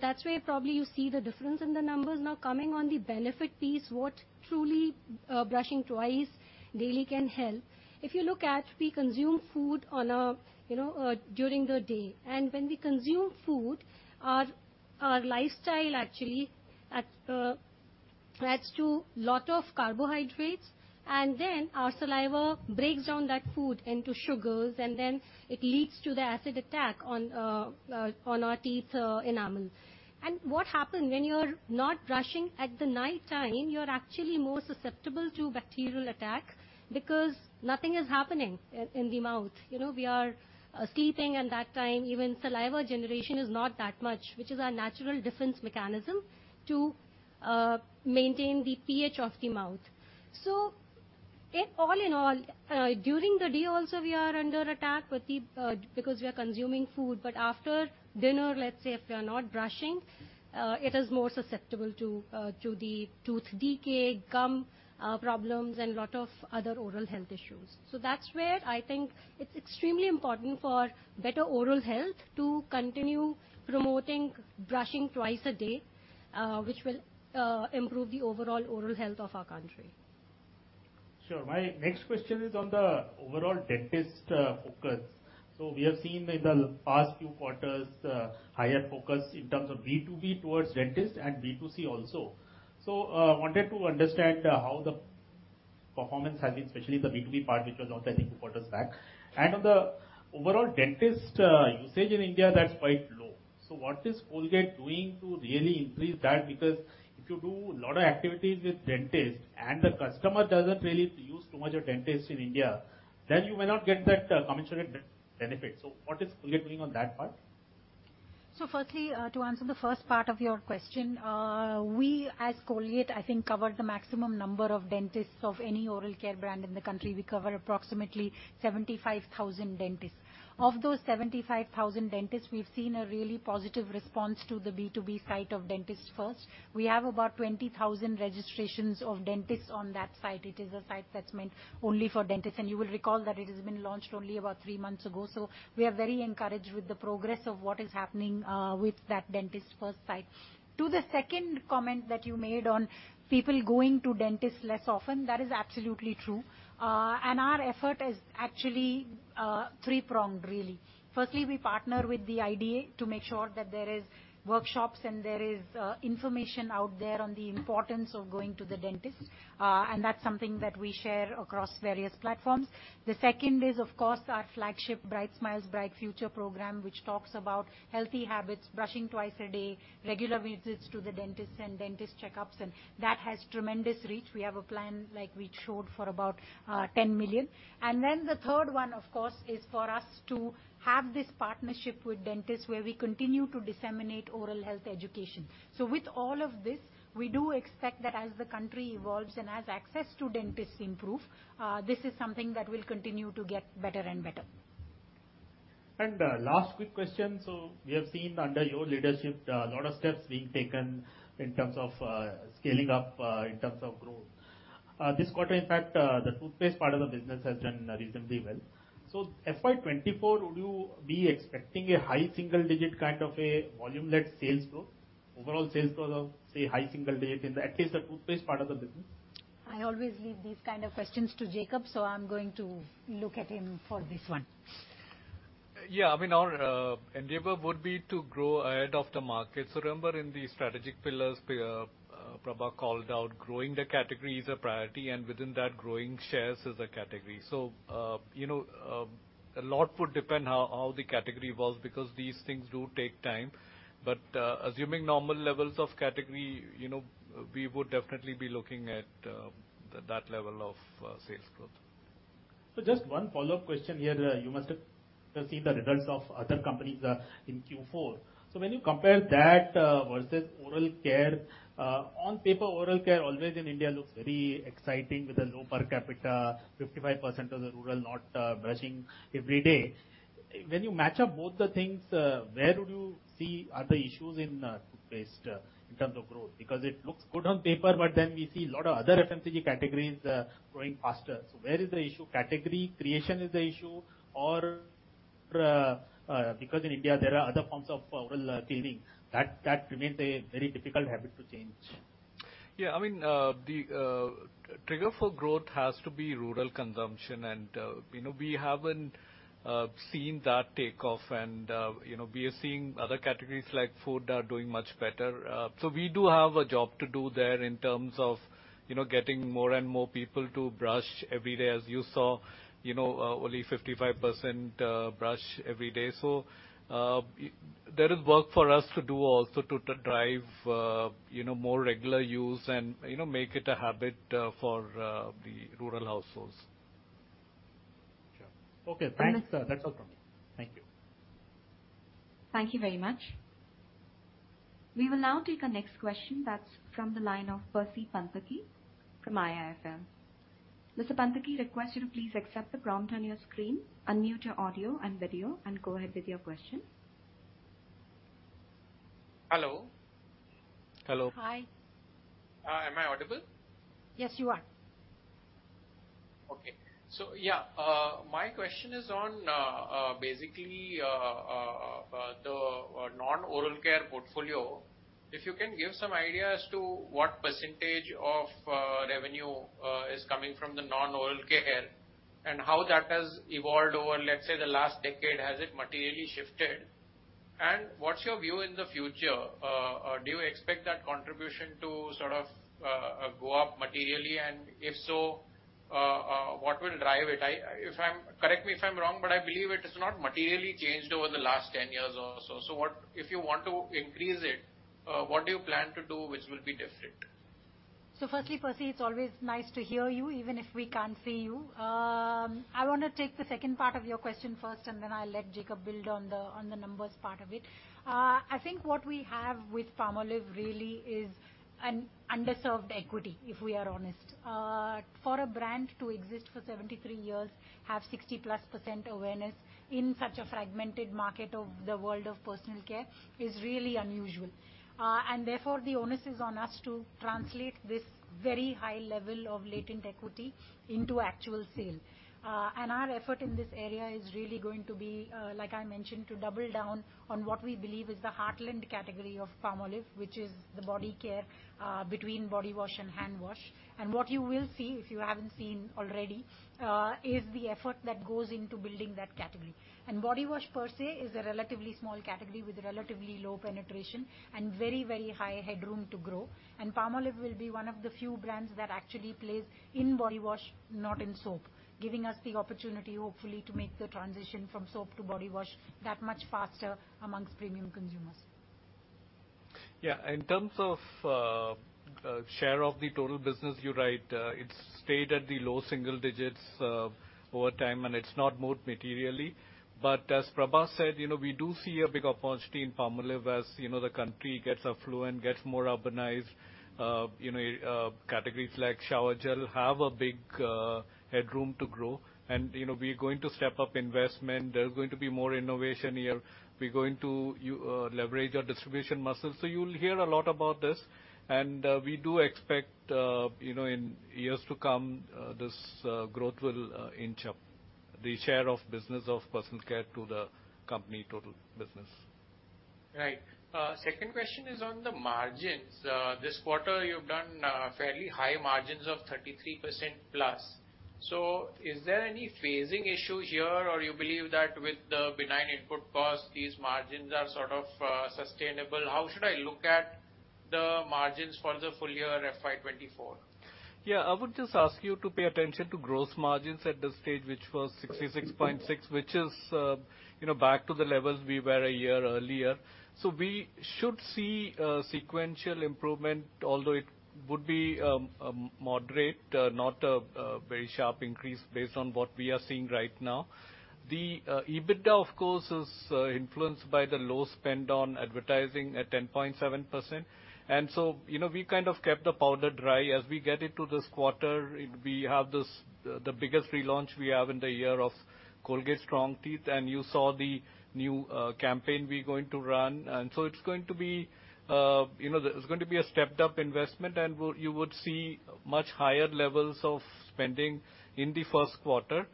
That's why probably you see the difference in the numbers. Coming on the benefit piece, what truly brushing twice daily can help. If you look at we consume food on a during the day. When we consume food, our lifestyle actually at adds to lot of carbohydrates, and then our saliva breaks down that food into sugars, and then it leads to the acid attack on our teeth, enamel. What happen, when you're not brushing at the nighttime, you're actually more susceptible to bacterial attack because nothing is happening in the mouth. You know, we are sleeping, and that time even saliva generation is not that much, which is our natural defense mechanism to maintain the pH of the mouth. All in all, during the day also we are under attack with the because we are consuming food. After dinner, let's say, if we are not brushing, it is more susceptible to the tooth decay, gum problems and lot of other oral health issues. That's where I think it's extremely important for better oral health to continue promoting brushing twice a day, which will improve the overall oral health of our country. Sure. My next question is on the overall dentist focus. We have seen in the past few quarters higher focus in terms of B2B towards dentists and B2C also. Wanted to understand how the performance has been, especially the B2B part, which was launching a quarter back. On the overall dentist usage in India, that's quite low. What is Colgate doing to really increase that? Because if you do a lot of activities with dentists and the customer doesn't really use too much of dentists in India, then you may not get that commensurate benefit. What is Colgate doing on that part? firstly, to answer the first part of your question, we as Colgate I think cover the maximum number of dentists of any oral care brand in the country. We cover approximately 75,000 dentists. Of those 75,000 dentists, we've seen a really positive response to the B2B site of Dentist FIRST. We have about 20,000 registrations of dentists on that site. It is a site that's meant only for dentists, and you will recall that it has been launched only about 3 months ago. we are very encouraged with the progress of what is happening with that Dentist FIRST site. To the second comment that you made on people going to dentists less often, that is absolutely true. and our effort is actually three-pronged really. Firstly, we partner with the IDA to make sure that there is workshops and there is information out there on the importance of going to the dentist, and that's something that we share across various platforms. The second is, of course, our flagship Bright Smiles, Bright Future program, which talks about healthy habits, brushing twice a day, regular visits to the dentist and dentist checkups, and that has tremendous reach. We have a plan like we showed for about 10 million. The third one, of course, is for us to have this partnership with dentists where we continue to disseminate oral health education. With all of this, we do expect that as the country evolves and as access to dentists improve, this is something that will continue to get better and better. Last quick question. We have seen under your leadership, a lot of steps being taken in terms of scaling up in terms of growth. This quarter, in fact, the toothpaste part of the business has done reasonably well. FY 2024, would you be expecting a high single digit kind of a volume-led sales growth? Overall sales growth of, say, high single digit in the, at least the toothpaste part of the business? I always leave these kind of questions to Jacob, so I'm going to look at him for this one. Yeah. I mean, our endeavor would be to grow ahead of the market. Remember in the strategic pillars, Prabha called out growing the category is a priority, and within that, growing shares as a category. you know, a lot would depend how the category evolves because these things do take time. assuming normal levels of category, you know, we would definitely be looking at that level of sales growth. Just one follow-up question here. You must have received the results of other companies in Q4. When you compare that versus oral care on paper, oral care always in India looks very exciting with a low per capita, 55% of the rural not brushing every day. When you match up both the things, where would you see are the issues in toothpaste in terms of growth? Because it looks good on paper, but then we see a lot of other FMCG categories growing faster. Where is the issue? Category creation is the issue or because in India there are other forms of oral cleaning that remains a very difficult habit to change. Yeah. I mean, the trigger for growth has to be rural consumption. You know, we haven't seen that take off. You know, we are seeing other categories like food are doing much better. We do have a job to do there in terms of, you know, getting more and more people to brush every day, as you saw. You know, only 55% brush every day. There is work for us to do also to drive, you know, more regular use and, you know, make it a habit for the rural households. Sure. Okay, thanks. That's all from me. Thank you. Thank you very much. We will now take our next question. That's from the line of Percy Panthaki from IIFL. Mr. Panthaki, I request you to please accept the prompt on your screen, unmute your audio and video, and go ahead with your question. Hello. Hello. Hi. Am I audible? Yes, you are. Okay. Yeah, my question is on basically the non-oral care portfolio. If you can give some idea as to what percentage of revenue is coming from the non-oral care and how that has evolved over, let's say, the last decade. Has it materially shifted? What's your view in the future? Do you expect that contribution to sort of go up materially? If so, what will drive it? Correct me if I'm wrong, but I believe it has not materially changed over the last 10 years or so. If you want to increase it, what do you plan to do which will be different? firstly, Percy, it's always nice to hear you, even if we can't see you. I wanna take the second part of your question first, and then I'll let Jacob build on the numbers part of it. I think what we have with Palmolive really is an underserved equity, if we are honest. For a brand to exist for 73 years, have 60%+ awareness in such a fragmented market of the world of personal care is really unusual. Therefore, the onus is on us to translate this very high level of latent equity into actual sale. Our effort in this area is really going to be, like I mentioned, to double down on what we believe is the heartland category of Palmolive, which is the body care, between body wash and hand wash. What you will see, if you haven't seen already, is the effort that goes into building that category. Body wash per se is a relatively small category with relatively low penetration and very, very high headroom to grow. Palmolive will be one of the few brands that actually plays in body wash, not in soap, giving us the opportunity, hopefully, to make the transition from soap to body wash that much faster amongst premium consumers. Yeah. In terms of share of the total business, you're right. It's stayed at the low single digits over time, and it's not moved materially. As Prabha said, you know, we do see a big opportunity in Palmolive as, you know, the country gets affluent, gets more urbanized. You know, categories like shower gel have a big headroom to grow. You know, we're going to step up investment. There's going to be more innovation here. We're going to leverage our distribution muscles. You'll hear a lot about this. We do expect, you know, in years to come, this growth will inch up, the share of business of personal care to the company total business. Right. second question is on the margins. this quarter you've done, fairly high margins of 33%+. Is there any phasing issue here, or you believe that with the benign input costs, these margins are sort of, sustainable? How should I look at the margins for the full year FY 2024? Yeah. I would just ask you to pay attention to growth margins at this stage, which was 66.6%, you know, back to the levels we were a year earlier. We should see a sequential improvement, although it would be moderate, not a very sharp increase based on what we are seeing right now. The EBITDA, of course, is influenced by the low spend on advertising at 10.7%. You know, we kind of kept the powder dry. As we get into this quarter, we have this the biggest relaunch we have in the year of Colgate Strong Teeth, and you saw the new campaign we're going to run. It's going to be, you know, there's going to be a stepped up investment, and you would see much higher levels of spending in the first quarter.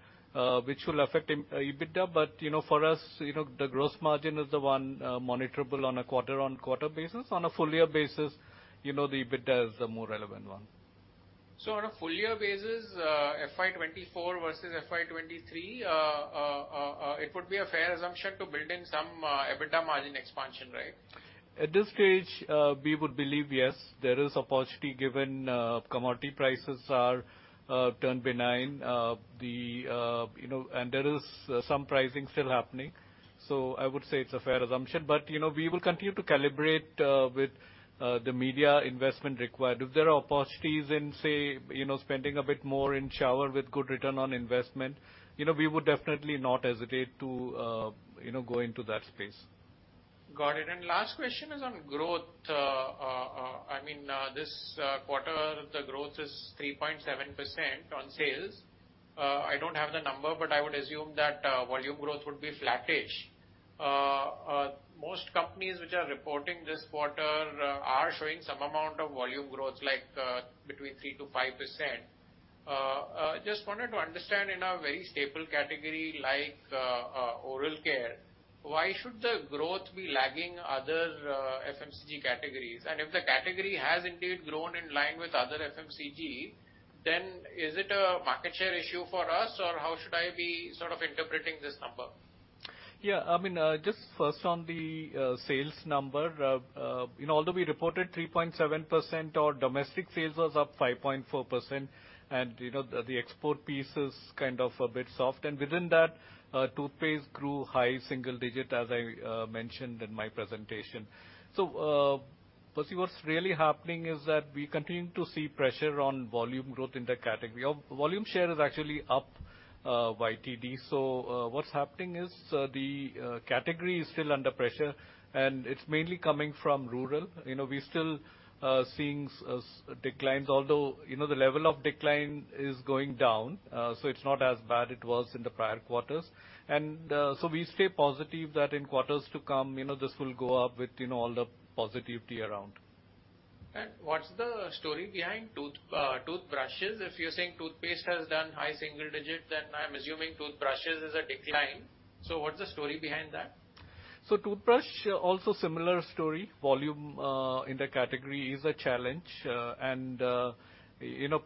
Which will affect EBITDA, but, you know, for us, you know, the gross margin is the one, monitorable on a quarter-on-quarter basis. On a full year basis, you know, the EBITDA is the more relevant one. On a full year basis, FY 2024 versus FY 2023, it would be a fair assumption to build in some EBITDA margin expansion, right? At this stage, we would believe, yes, there is opportunity given, commodity prices are turned benign. You know, there is some pricing still happening, so I would say it's a fair assumption. You know, we will continue to calibrate with the media investment required. If there are opportunities in, say, you know, spending a bit more in shower with good return on investment, you know, we would definitely not hesitate to, you know, go into that space. Got it. Last question is on growth. I mean, this quarter, the growth is 3.7% on sales. I don't have the number, but I would assume that volume growth would be flattish. Most companies which are reporting this quarter are showing some amount of volume growth, like between 3%-5%. Just wanted to understand in a very staple category like oral care, why should the growth be lagging other FMCG categories? If the category has indeed grown in line with other FMCG, then is it a market share issue for us or how should I be sort of interpreting this number? Yeah. I mean, just first on the sales number, you know, although we reported 3.7%, our domestic sales was up 5.4%. The export piece is kind of a bit soft. Within that, toothpaste grew high single digit, as I mentioned in my presentation. Percy, what's really happening is that we continue to see pressure on volume growth in the category. Our volume share is actually up YTD. What's happening is the category is still under pressure, and it's mainly coming from rural. You know, we're still seeing declines, although, you know, the level of decline is going down, so it's not as bad it was in the prior quarters. We stay positive that in quarters to come, you know, this will go up with, you know, all the positivity around. What's the story behind toothbrushes? If you're saying toothpaste has done high single digits, then I'm assuming toothbrushes is a decline. What's the story behind that? Toothbrush, also similar story. Volume in the category is a challenge. And, you know,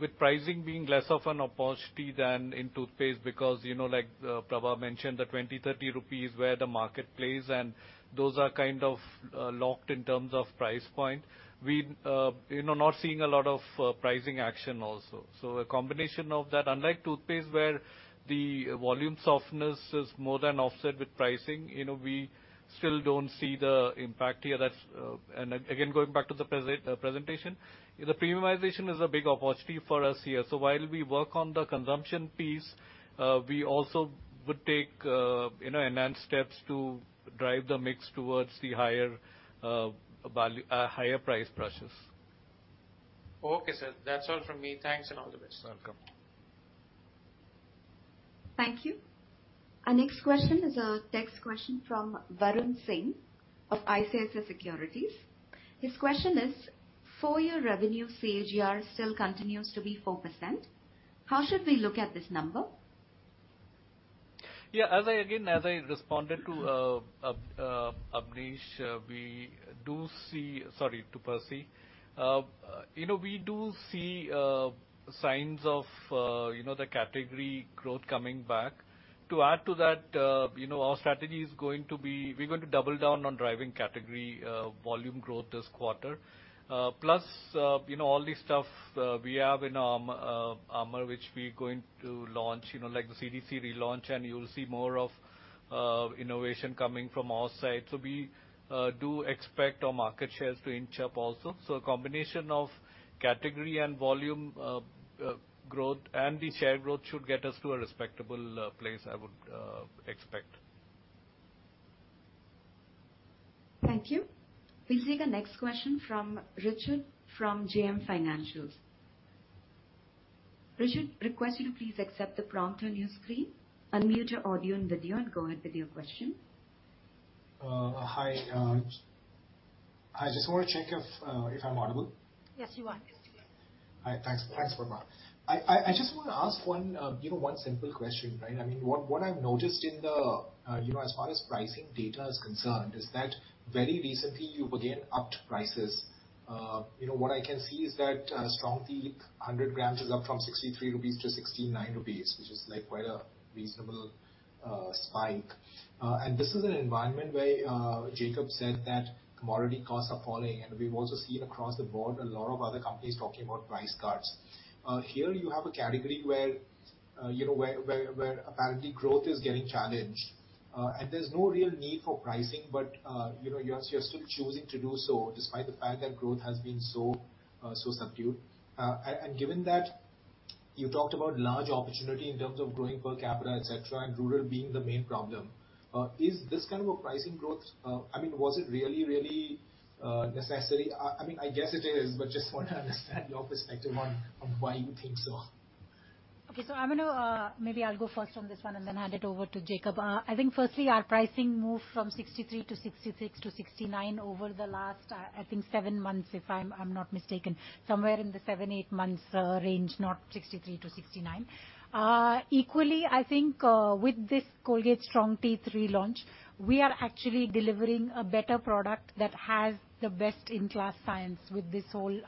with pricing being less of an opportunity than in toothpaste because, you know, like Prabha mentioned, the 20-30 rupees where the market plays and those are kind of locked in terms of price point. We, you know, not seeing a lot of pricing action also. A combination of that. Unlike toothpaste, where the volume softness is more than offset with pricing, you know, we still don't see the impact here. That's. And again, going back to the presentation, the premiumization is a big opportunity for us here. While we work on the consumption piece, we also would take, you know, enhanced steps to drive the mix towards the higher value higher priced brushes. Okay, sir. That's all from me. Thanks. All the best. Welcome. Thank you. Our next question is a text question from Varun Singh of ICICI Securities. His question is: Full year revenue CAGR still continues to be 4%. How should we look at this number? Yeah. As I, again, as I responded to Abneesh, sorry, to Percy, you know, we do see signs of, you know, the category growth coming back. To add to that, you know, our strategy is going to be we're going to double down on driving category volume growth this quarter. Plus, you know, all the stuff we have in our armor, which we're going to launch, you know, like the CDC relaunch, and you'll see more of innovation coming from our side. We do expect our market shares to inch up also. A combination of category and volume growth and the share growth should get us to a respectable place, I would expect. Thank you. We'll take the next question from Richard from JM Financial. Richard, request you to please accept the prompt on your screen. Unmute your audio and video and go ahead with your question. Hi. I just want to check if I'm audible. Yes, you are. Yes, you are. All right. Thanks. Thanks, Prabha. I just want to ask one, you know, one simple question, right? I mean, what I've noticed in the, you know, as far as pricing data is concerned, is that very recently you've again upped prices. You know, what I can see is that Colgate Strong Teeth 100 grams is up from 63 rupees to 69 rupees, which is, like, quite a reasonable spike. This is an environment where Jacob said that commodity costs are falling, and we've also seen across the board a lot of other companies talking about price cuts. Here you have a category where, you know, where apparently growth is getting challenged, and there's no real need for pricing. You know, you're still choosing to do so despite the fact that growth has been so subdued. Given that you talked about large opportunity in terms of growing per capita, et cetera, and rural being the main problem, is this kind of a pricing growth. I mean, was it really necessary? I mean, I guess it is, but just want to understand your perspective on why you think so. I'm gonna maybe I'll go first on this one and then hand it over to Jacob. I think firstly, our pricing moved from 63 to 66 to 69 over the last, I think seven months, if I'm not mistaken. Somewhere in the 7, 8 months range, not 63 to 69. Equally, I think with this Colgate Strong Teeth relaunch, we are actually delivering a better product that has the best-in-class science with this whole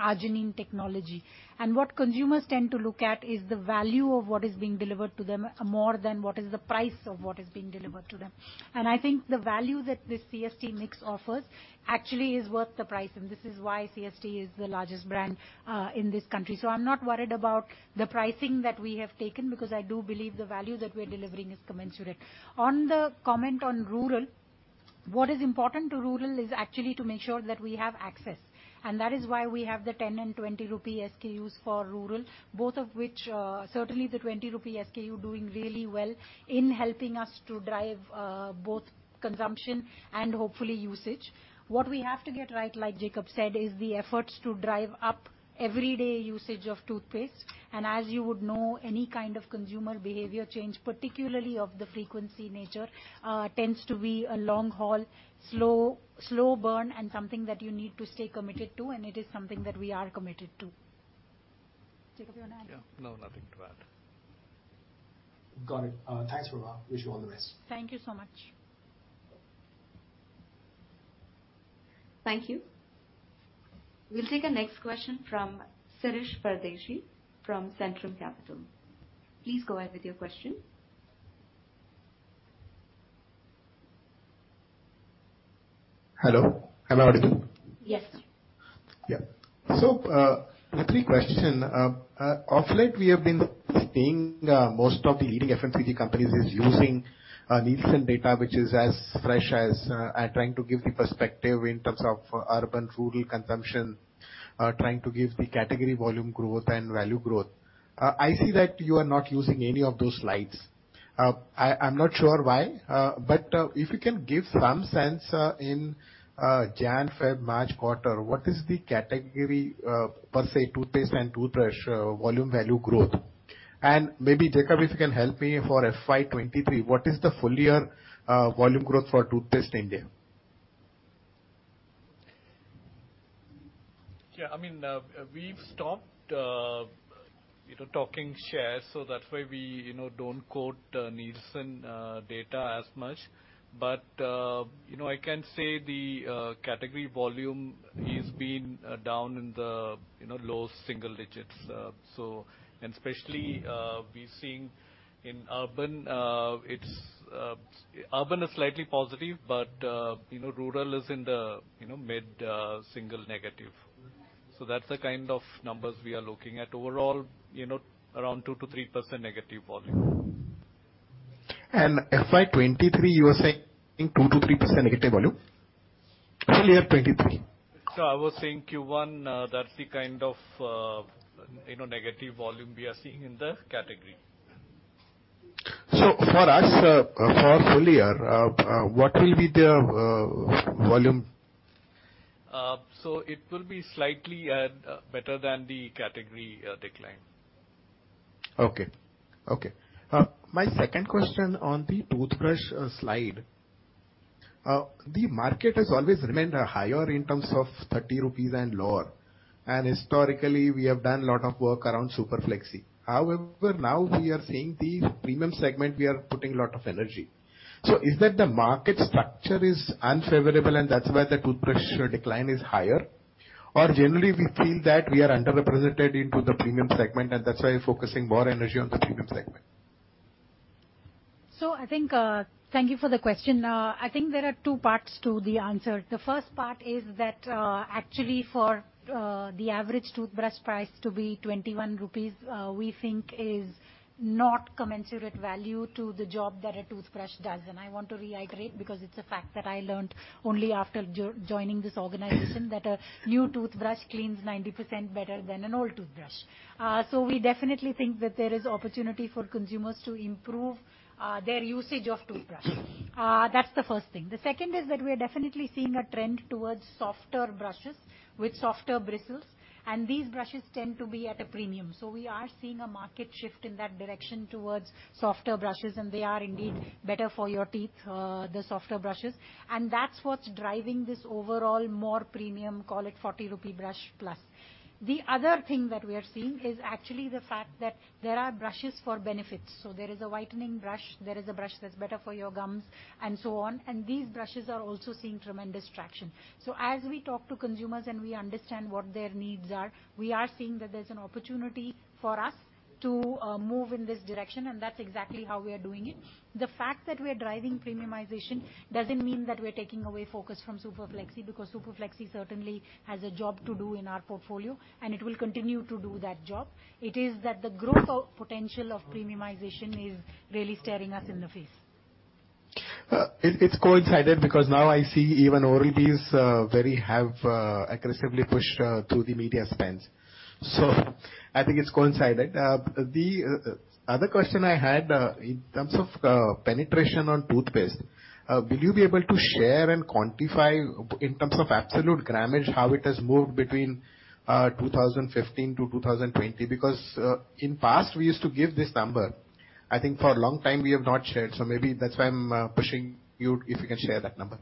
arginine technology. What consumers tend to look at is the value of what is being delivered to them more than what is the price of what is being delivered to them. I think the value that this CST mix offers actually is worth the price, and this is why CST is the largest brand in this country. I'm not worried about the pricing that we have taken because I do believe the value that we're delivering is commensurate. On the comment on rural, what is important to rural is actually to make sure that we have access, and that is why we have the 10 and 20 rupee SKUs for rural, both of which, certainly the 20 rupee SKU doing really well in helping us to drive both consumption and hopefully usage. What we have to get right, like Jacob said, is the efforts to drive up everyday usage of toothpaste. As you would know, any kind of consumer behavior change, particularly of the frequency nature, tends to be a long haul, slow burn and something that you need to stay committed to, and it is something that we are committed to. Jacob, you wanna add? Yeah. No, nothing to add. Got it. Thanks, Prabha. Wish you all the best. Thank you so much. Thank you. We'll take a next question from Shirish Pardeshi from Centrum Capital. Please go ahead with your question. Hello? Am I audible? Yes. Yeah. three question. Of late we have been seeing most of the leading FMCG companies is using Nielsen data, which is as fresh as trying to give the perspective in terms of urban, rural consumption, trying to give the category volume growth and value growth. I see that you are not using any of those slides. I'm not sure why, but if you can give some sense in January, February, March quarter, what is the category per se toothpaste and toothbrush volume value growth? Maybe, Jacob, if you can help me for FY 2023, what is the full year volume growth for toothpaste India? Yeah. I mean, we've stopped, you know, talking shares, so that's why we, you know, don't quote Nielsen data as much. You know, I can say the category volume is being down in the, you know, low single digits. Especially, we're seeing in urban, it's, urban is slightly positive, but, you know, rural is in the, you know, mid single negative. That's the kind of numbers we are looking at. Overall, you know, around 2%-3% negative volume. FY 2023, you are saying 25-3% negative volume? Full year 2023. I was saying Q1, that's the kind of, you know, negative volume we are seeing in the category. For us, for full year, what will be the volume? It will be slightly better than the category decline. Okay. Okay. My second question on the toothbrush slide. The market has always remained higher in terms of 30 rupees and lower. Historically we have done a lot of work around Super Flexi. However, now we are seeing the premium segment, we are putting a lot of energy. Is it the market structure is unfavorable and that's why the toothbrush decline is higher? Generally, we feel that we are underrepresented into the premium segment and that's why you're focusing more energy on the premium segment? Thank you for the question. I think there are two parts to the answer. The first part is that, actually for the average toothbrush price to be 21 rupees, we think is not commensurate value to the job that a toothbrush does. I want to reiterate, because it's a fact that I learned only after joining this organization, that a new toothbrush cleans 90% better than an old toothbrush. We definitely think that there is opportunity for consumers to improve their usage of toothbrush. That's the first thing. The second is that we are definitely seeing a trend towards softer brushes with softer bristles, and these brushes tend to be at a premium. We are seeing a market shift in that direction towards softer brushes, and they are indeed better for your teeth, the softer brushes. That's what's driving this overall more premium, call it 40 rupee brush plus. The other thing that we are seeing is actually the fact that there are brushes for benefits. There is a whitening brush, there is a brush that's better for your gums and so on, and these brushes are also seeing tremendous traction. As we talk to consumers and we understand what their needs are, we are seeing that there's an opportunity for us to move in this direction, and that's exactly how we are doing it. The fact that we are driving premiumization doesn't mean that we're taking away focus from Super Flexi, because Super Flexi certainly has a job to do in our portfolio, and it will continue to do that job. It is that the growth of potential of premiumization is really staring us in the face. It's coincided because now I see even Oral-B is very aggressively pushed through the media spends. I think it's coincided. The other question I had in terms of penetration on toothpaste, will you be able to share and quantify in terms of absolute grammage how it has moved between 2015 to 2020? In past we used to give this number. I think for a long time we have not shared, maybe that's why I'm pushing you if you can share that number.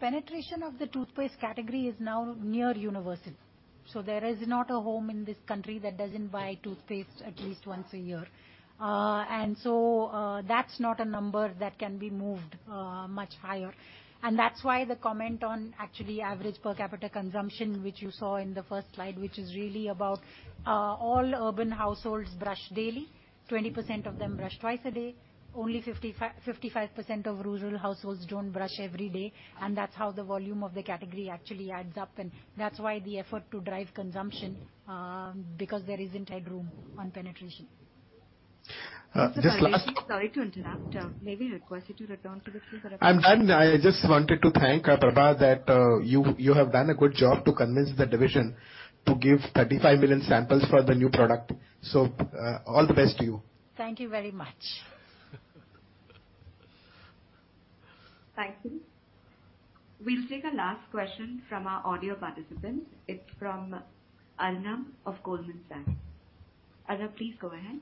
Penetration of the toothpaste category is now near universal. There is not a home in this country that doesn't buy toothpaste at least once a year. That's not a number that can be moved much higher. That's why the comment on actually average per capita consumption, which you saw in the first slide, which is really about all urban households brush daily. 20% of them brush twice a day. Only 55% of rural households don't brush every day. That's how the volume of the category actually adds up. That's why the effort to drive consumption because there isn't headroom on penetration. Just. Mr. Pardeshi, sorry to interrupt. May we request you to return to the queue.. I'm done. I just wanted to thank Prabha, that you have done a good job to convince the division to give 35 million samples for the new product. All the best to you. Thank you very much. Thank you. We'll take a last question from our audio participants. It's from Arnab of Goldman Sachs. Arnab, please go ahead.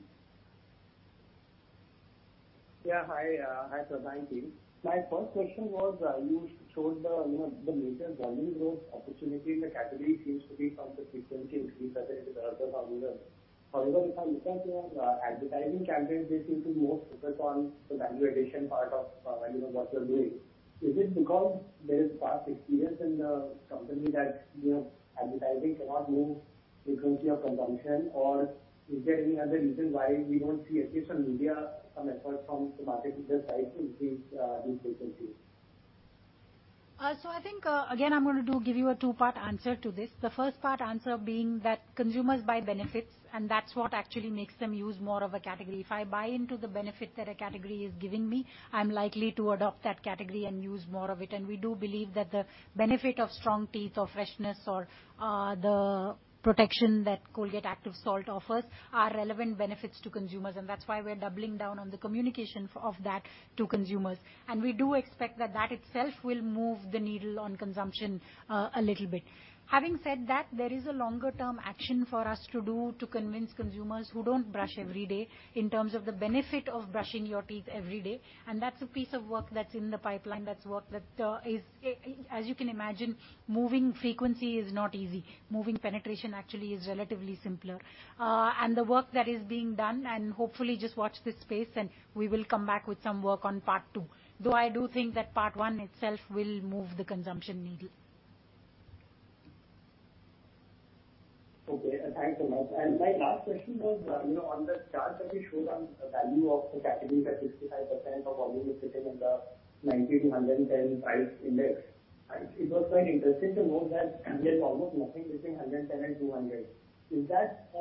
Yeah. Hi, Prabha and team. My first question was, you showed the, you know, the major volume growth opportunity in the category seems to be from the frequency increase as it is the other formulas. However, if I look at your advertising campaigns, they seem to be more focused on the value addition part of, you know, what you're doing. Is it because there is past experience in the company that, you know, advertising cannot move frequency of consumption? Or is there any other reason why we don't see, at least from India, some effort from the marketer side to increase these frequencies? I think, again, I'm going to give you a two-part answer to this. The first part answer being that consumers buy benefits, and that's what actually makes them use more of a category. If I buy into the benefit that a category is giving me, I'm likely to adopt that category and use more of it. We do believe that the benefit of strong teeth or freshness or, the protection that Colgate Active Salt offers are relevant benefits to consumers, and that's why we're doubling down on the communication of that to consumers. We do expect that that itself will move the needle on consumption, a little bit. Having said that, there is a longer term action for us to do to convince consumers who don't brush every day in terms of the benefit of brushing your teeth every day. That's a piece of work that's in the pipeline, that's work that, As you can imagine, moving frequency is not easy. Moving penetration actually is relatively simpler. The work that is being done, and hopefully just watch this space and we will come back with some work on part two. Though I do think that part one itself will move the consumption needle. Okay. Thanks a lot. My last question was, you know, on the chart that you showed on the value of the category, that 65% of volume is sitting in the 90 to 110 price index. It was quite interesting to note that we are almost nothing between 110 and 200. Is that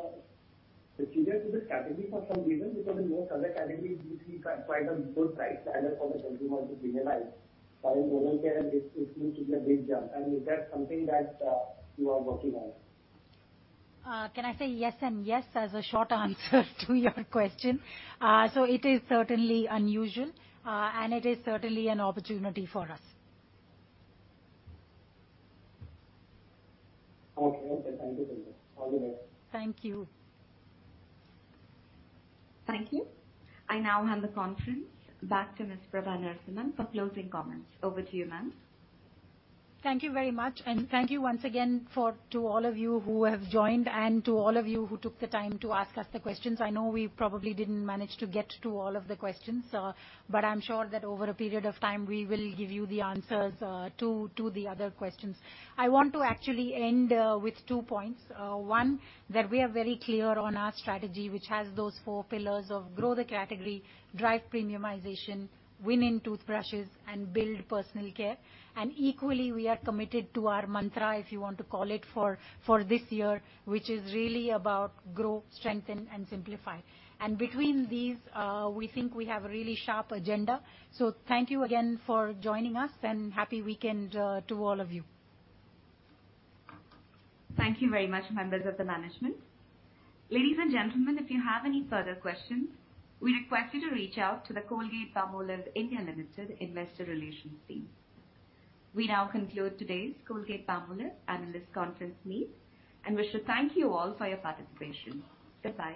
particular to this category for some reason? Because in most other categories we see quite a good price ladder for the consumer to premiumize. While in oral care it seems to be a big jump. Is that something that you are working on? Can I say yes and yes as a short answer to your question? It is certainly unusual, and it is certainly an opportunity for us. Okay. Okay. Thank you so much. All the best. Thank you. Thank you. I now hand the conference back to Ms. Prabha Narasimhan for closing comments. Over to you, ma'am. Thank you very much, thank you once again to all of you who have joined and to all of you who took the time to ask us the questions. I know we probably didn't manage to get to all of the questions, but I'm sure that over a period of time, we will give you the answers, to the other questions. I want to actually end with two points. One, that we are very clear on our strategy, which has those four pillars of grow the category, drive premiumization, win in toothbrushes, and build personal care. Equally, we are committed to our mantra, if you want to call it, for this year, which is really about grow, strengthen, and simplify. Between these, we think we have a really sharp agenda. Thank you again for joining us, and happy weekend, to all of you. Thank you very much, members of the management. Ladies and gentlemen, if you have any further questions, we request you to reach out to the Colgate-Palmolive India Limited Investor Relations team. We now conclude today's Colgate-Palmolive analyst conference meet, and wish to thank you all for your participation. Goodbye.